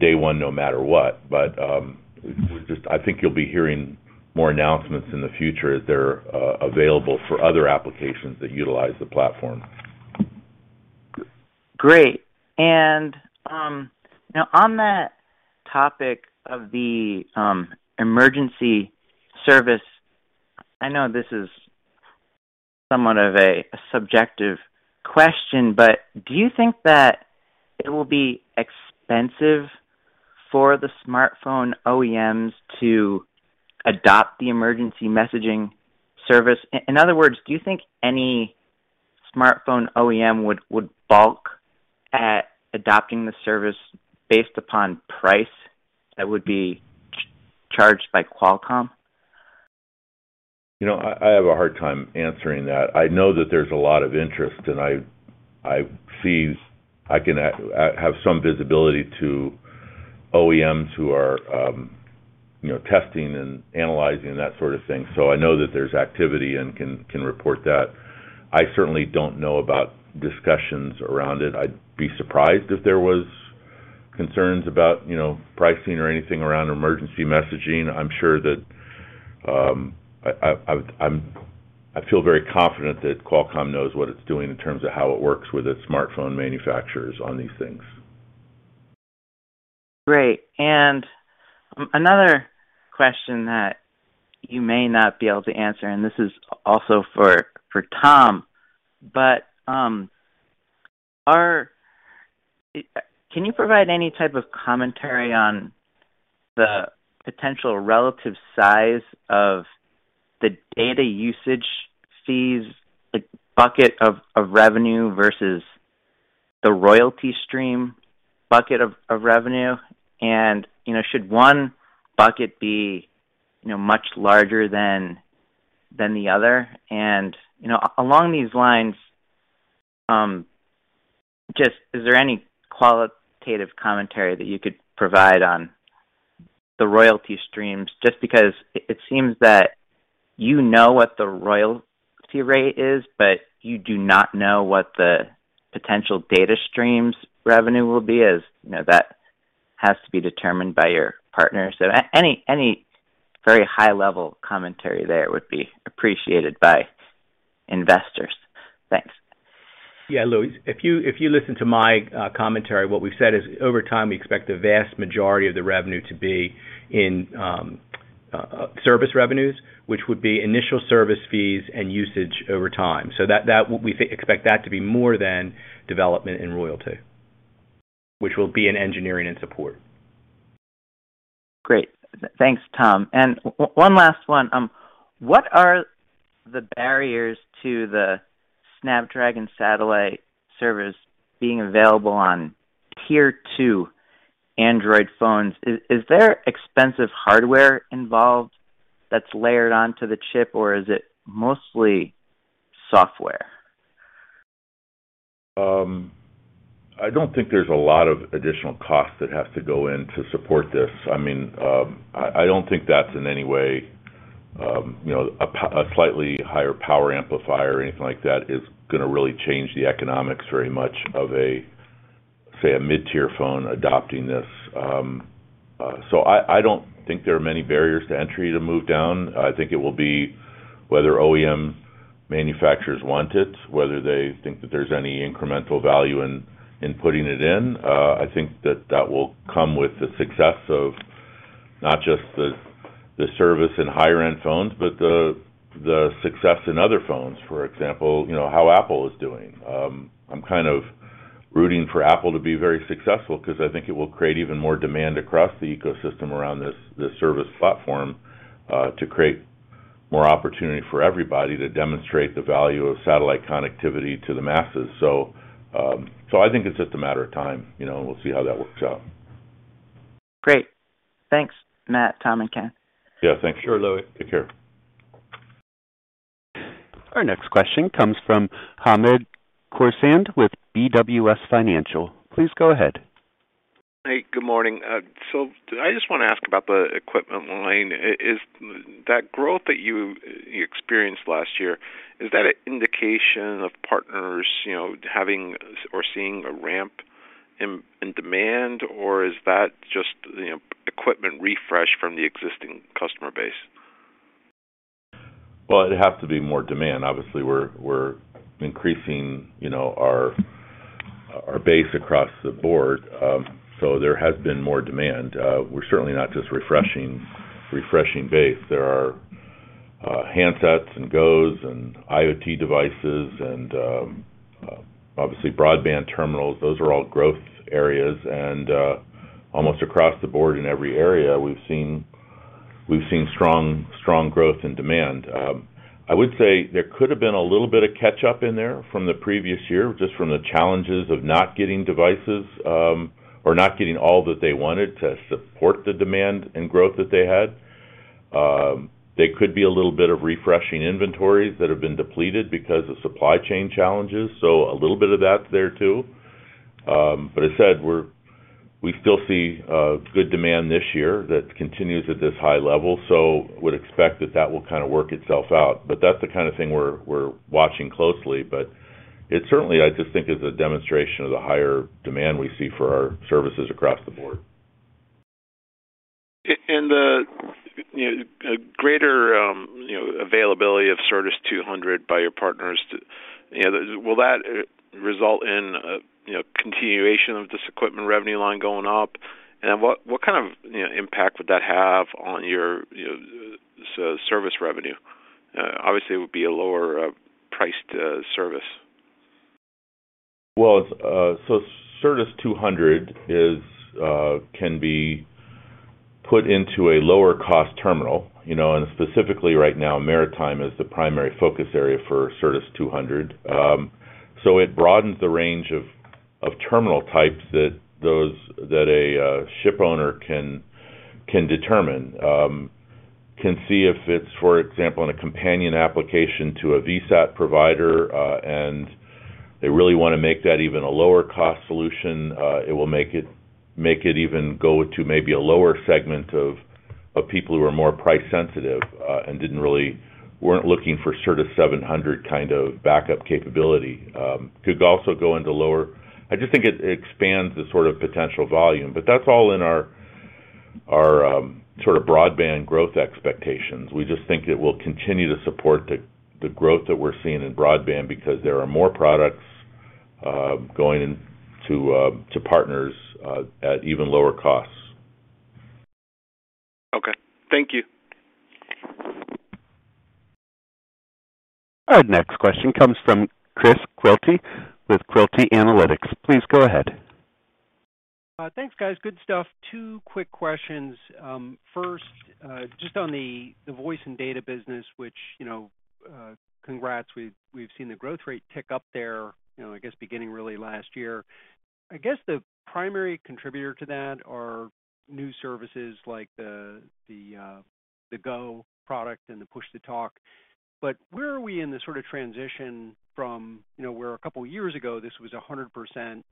[SPEAKER 3] day one no matter what. I think you'll be hearing more announcements in the future as they're available for other applications that utilize the platform.
[SPEAKER 9] Great. Now on that topic of the emergency service, I know this is somewhat of a subjective question, but do you think that it will be expensive for the smartphone OEMs to adopt the emergency messaging service? In other words, do you think any smartphone OEM would balk at adopting the service based upon price that would be charged by Qualcomm?
[SPEAKER 3] You know, I have a hard time answering that. I know that there's a lot of interest, and I see I have some visibility to OEMs who are, you know, testing and analyzing that sort of thing. I know that there's activity and can report that. I certainly don't know about discussions around it. I'd be surprised if there was concerns about, you know, pricing or anything around emergency messaging. I'm sure that I feel very confident that Qualcomm knows what it's doing in terms of how it works with its smartphone manufacturers on these things.
[SPEAKER 9] Great. Another question that you may not be able to answer, and this is also for Tom. Can you provide any type of commentary on the potential relative size of the data usage fees, the bucket of revenue versus the royalty stream bucket of revenue? You know, should one bucket be, you know, much larger than the other? You know, along these lines, just is there any qualitative commentary that you could provide on the royalty streams? Just because it seems that you know what the royalty rate is, but you do not know what the potential data streams revenue will be, as, you know, that has to be determined by your partners. Any very high-level commentary there would be appreciated by investors. Thanks.
[SPEAKER 4] Yeah, Louie. If you listen to my commentary, what we've said is over time, we expect the vast majority of the revenue to be in service revenues, which would be initial service fees and usage over time. That, we expect that to be more than development and royalty, which will be in engineering and support.
[SPEAKER 9] Great. Thanks, Tom. One last one. What are the barriers to the Snapdragon Satellite service being available on tier two Android phones? Is there expensive hardware involved that's layered onto the chip, or is it mostly software?
[SPEAKER 3] I don't think there's a lot of additional cost that has to go in to support this. I mean, I don't think that's in any way, you know, a slightly higher power amplifier or anything like that is gonna really change the economics very much of a, say, a mid-tier phone adopting this. I don't think there are many barriers to entry to move down. I think it will be whether OEM manufacturers want it, whether they think that there's any incremental value in putting it in. I think that that will come with the success of not just the service in higher-end phones, but the success in other phones. For example, you know, how Apple is doing. I'm kind of rooting for Apple to be very successful because I think it will create even more demand across the ecosystem around this service platform, to create more opportunity for everybody to demonstrate the value of satellite connectivity to the masses. I think it's just a matter of time, you know. We'll see how that works out.
[SPEAKER 9] Great. Thanks, Matt, Tom, and Ken.
[SPEAKER 3] Yeah, thanks. Sure, Louie. Take care.
[SPEAKER 1] Our next question comes from Hamed Khorsand with BWS Financial. Please go ahead.
[SPEAKER 10] Hey, good morning. I just want to ask about the equipment line. Is That growth that you experienced last year, is that an indication of partners, you know, having or seeing a ramp in demand, or is that just, you know, equipment refresh from the existing customer base?
[SPEAKER 3] It has to be more demand. Obviously, we're increasing, you know, our base across the board. There has been more demand. We're certainly not just refreshing base. There are handsets and GO!s and IoT devices and obviously broadband terminals. Those are all growth areas. Almost across the board in every area, we've seen strong growth and demand. I would say there could have been a little bit of catch-up in there from the previous year, just from the challenges of not getting devices, or not getting all that they wanted to support the demand and growth that they had. There could be a little bit of refreshing inventories that have been depleted because of supply chain challenges, a little bit of that's there, too. As I said, we still see good demand this year that continues at this high level, so would expect that that will kinda work itself out. That's the kinda thing we're watching closely, but it certainly, I just think, is a demonstration of the higher demand we see for our services across the board.
[SPEAKER 10] In the, you know, greater, you know, availability of Iridium Certus 200 by your partners to, you know, will that result in a, you know, continuation of this equipment revenue line going up? What kind of, you know, impact would that have on your, you know, service revenue? Obviously, it would be a lower-priced service.
[SPEAKER 3] Well, Certus 200 is can be put into a lower cost terminal, you know. Specifically right now, maritime is the primary focus area for Certus 200. It broadens the range of terminal types that a ship owner can determine. Can see if it's, for example, in a companion application to a VSAT provider, they really wanna make that even a lower cost solution. It will make it even go to maybe a lower segment of people who are more price-sensitive, weren't looking for Certus 700 kind of backup capability. Could also go into lower. I just think it expands the sort of potential volume. That's all in our sort of broadband growth expectations. We just think it will continue to support the growth that we're seeing in broadband because there are more products going in to partners at even lower costs.
[SPEAKER 10] Okay. Thank you.
[SPEAKER 1] Our next question comes from Chris Quilty with Quilty Analytics. Please go ahead.
[SPEAKER 11] Thanks, guys. Good stuff. two quick questions. First, just on the voice and data business, which, you know, congrats, we've seen the growth rate tick up there, you know, I guess beginning really last year. I guess the primary contributor to that are new services like the Iridium GO! and the Iridium Push-to-Talk. Where are we in the sort of transition from, you know, where two years ago, this was 100%,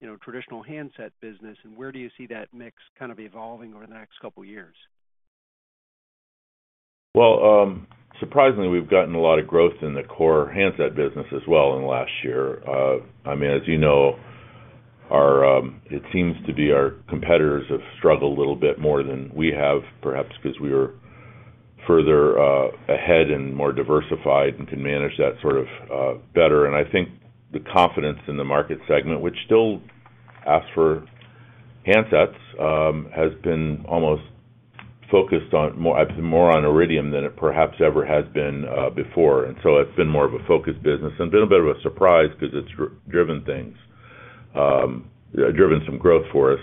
[SPEAKER 11] you know, traditional handset business, and where do you see that mix kind of evolving over the next two years?
[SPEAKER 3] Surprisingly, we've gotten a lot of growth in the core handset business as well in the last year. I mean, as you know, our, it seems to be our competitors have struggled a little bit more than we have, perhaps because we were further ahead and more diversified and can manage that sort of better. I think the confidence in the market segment, which still asks for handsets, has been almost focused on more on Iridium than it perhaps ever has been before. It's been more of a focused business and been a bit of a surprise because it's driven things. Driven some growth for us.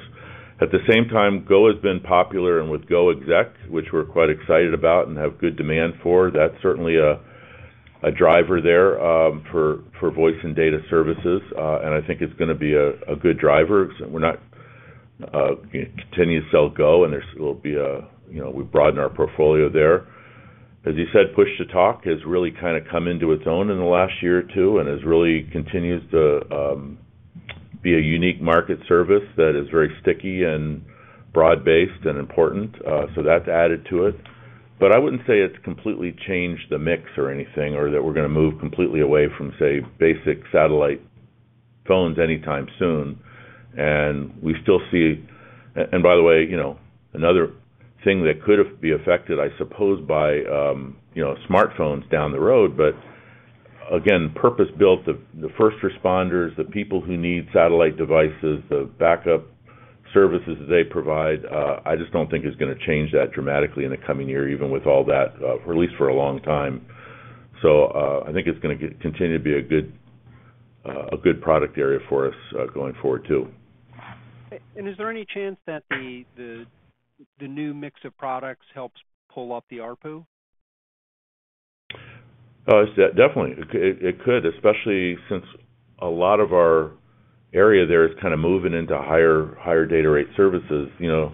[SPEAKER 3] At the same time, GO! has been popular, and with GO! exec, which we're quite excited about and have good demand for, that's certainly a driver there, for voice and data services. I think it's gonna be a good driver. We continue to sell GO!, and we'll be, you know, we broaden our portfolio there. As you said, Push-to-Talk has really kind of come into its own in the last one or two and has really continues to be a unique market service that is very sticky and broad-based and important. That's added to it. I wouldn't say it's completely changed the mix or anything, or that we're gonna move completely away from, say, basic satellite phones anytime soon. We still see... By the way, you know, another thing that could be affected, I suppose, by, you know, smartphones down the road, but again, purpose-built, the first responders, the people who need satellite devices, the backup services they provide, I just don't think is gonna change that dramatically in the coming year, even with all that, or at least for a long time. I think it's gonna continue to be a good, a good product area for us, going forward too.
[SPEAKER 11] Is there any chance that the new mix of products helps pull up the ARPU?
[SPEAKER 3] It's definitely. It could, especially since a lot of our area there is kind of moving into higher data rate services. You know,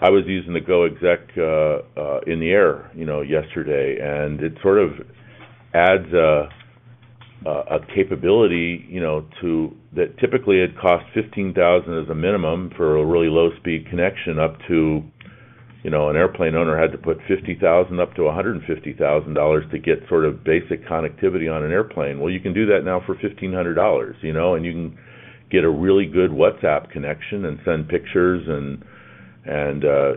[SPEAKER 3] I was using the Iridium GO! exec in the air, you know, yesterday, and it sort of adds a capability, you know, that typically it costs 15,000 as a minimum for a really low speed connection up to, you know, an airplane owner had to put 50,000 up to $150,000 to get sort of basic connectivity on an airplane. Well, you can do that now for $1,500, you know, and you can get a really good WhatsApp connection and send pictures and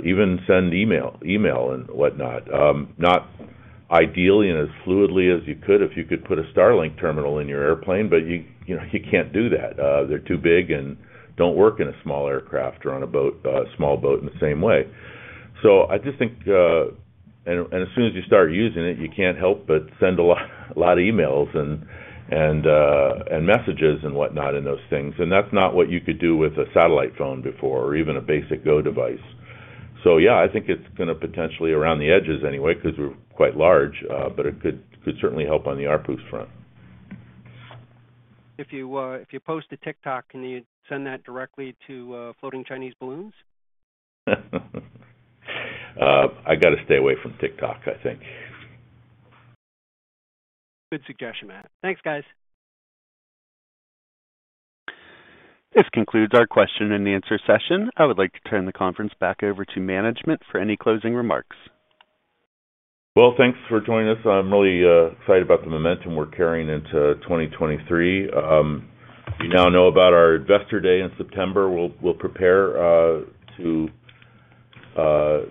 [SPEAKER 3] even send email and whatnot. Not ideally and as fluidly as you could if you could put a Starlink terminal in your airplane, but you know, you can't do that. They're too big and don't work in a small aircraft or on a boat, small boat in the same way. I just think as soon as you start using it, you can't help but send a lot of emails and messages and whatnot in those things. That's not what you could do with a satellite phone before or even a basic Go device. Yeah, I think it's gonna potentially, around the edges anyway, 'cause we're quite large, but it could certainly help on the ARPUs front.
[SPEAKER 11] If you, if you post to TikTok, can you send that directly to, floating Chinese balloons?
[SPEAKER 3] I gotta stay away from TikTok, I think.
[SPEAKER 11] Good suggestion, Matt. Thanks, guys.
[SPEAKER 1] This concludes our question and answer session. I would like to turn the conference back over to management for any closing remarks.
[SPEAKER 3] Well, thanks for joining us. I'm really excited about the momentum we're carrying into 2023. You now know about our investor day in September. We'll prepare to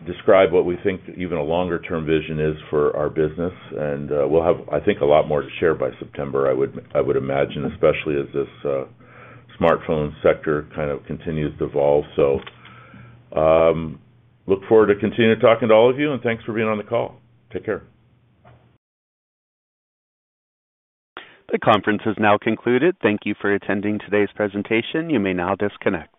[SPEAKER 3] describe what we think even a longer-term vision is for our business. We'll have, I think, a lot more to share by September, I would imagine, especially as this smartphone sector kind of continues to evolve. Look forward to continuing talking to all of you, and thanks for being on the call. Take care.
[SPEAKER 1] The conference has now concluded. Thank you for attending today's presentation. You may now disconnect.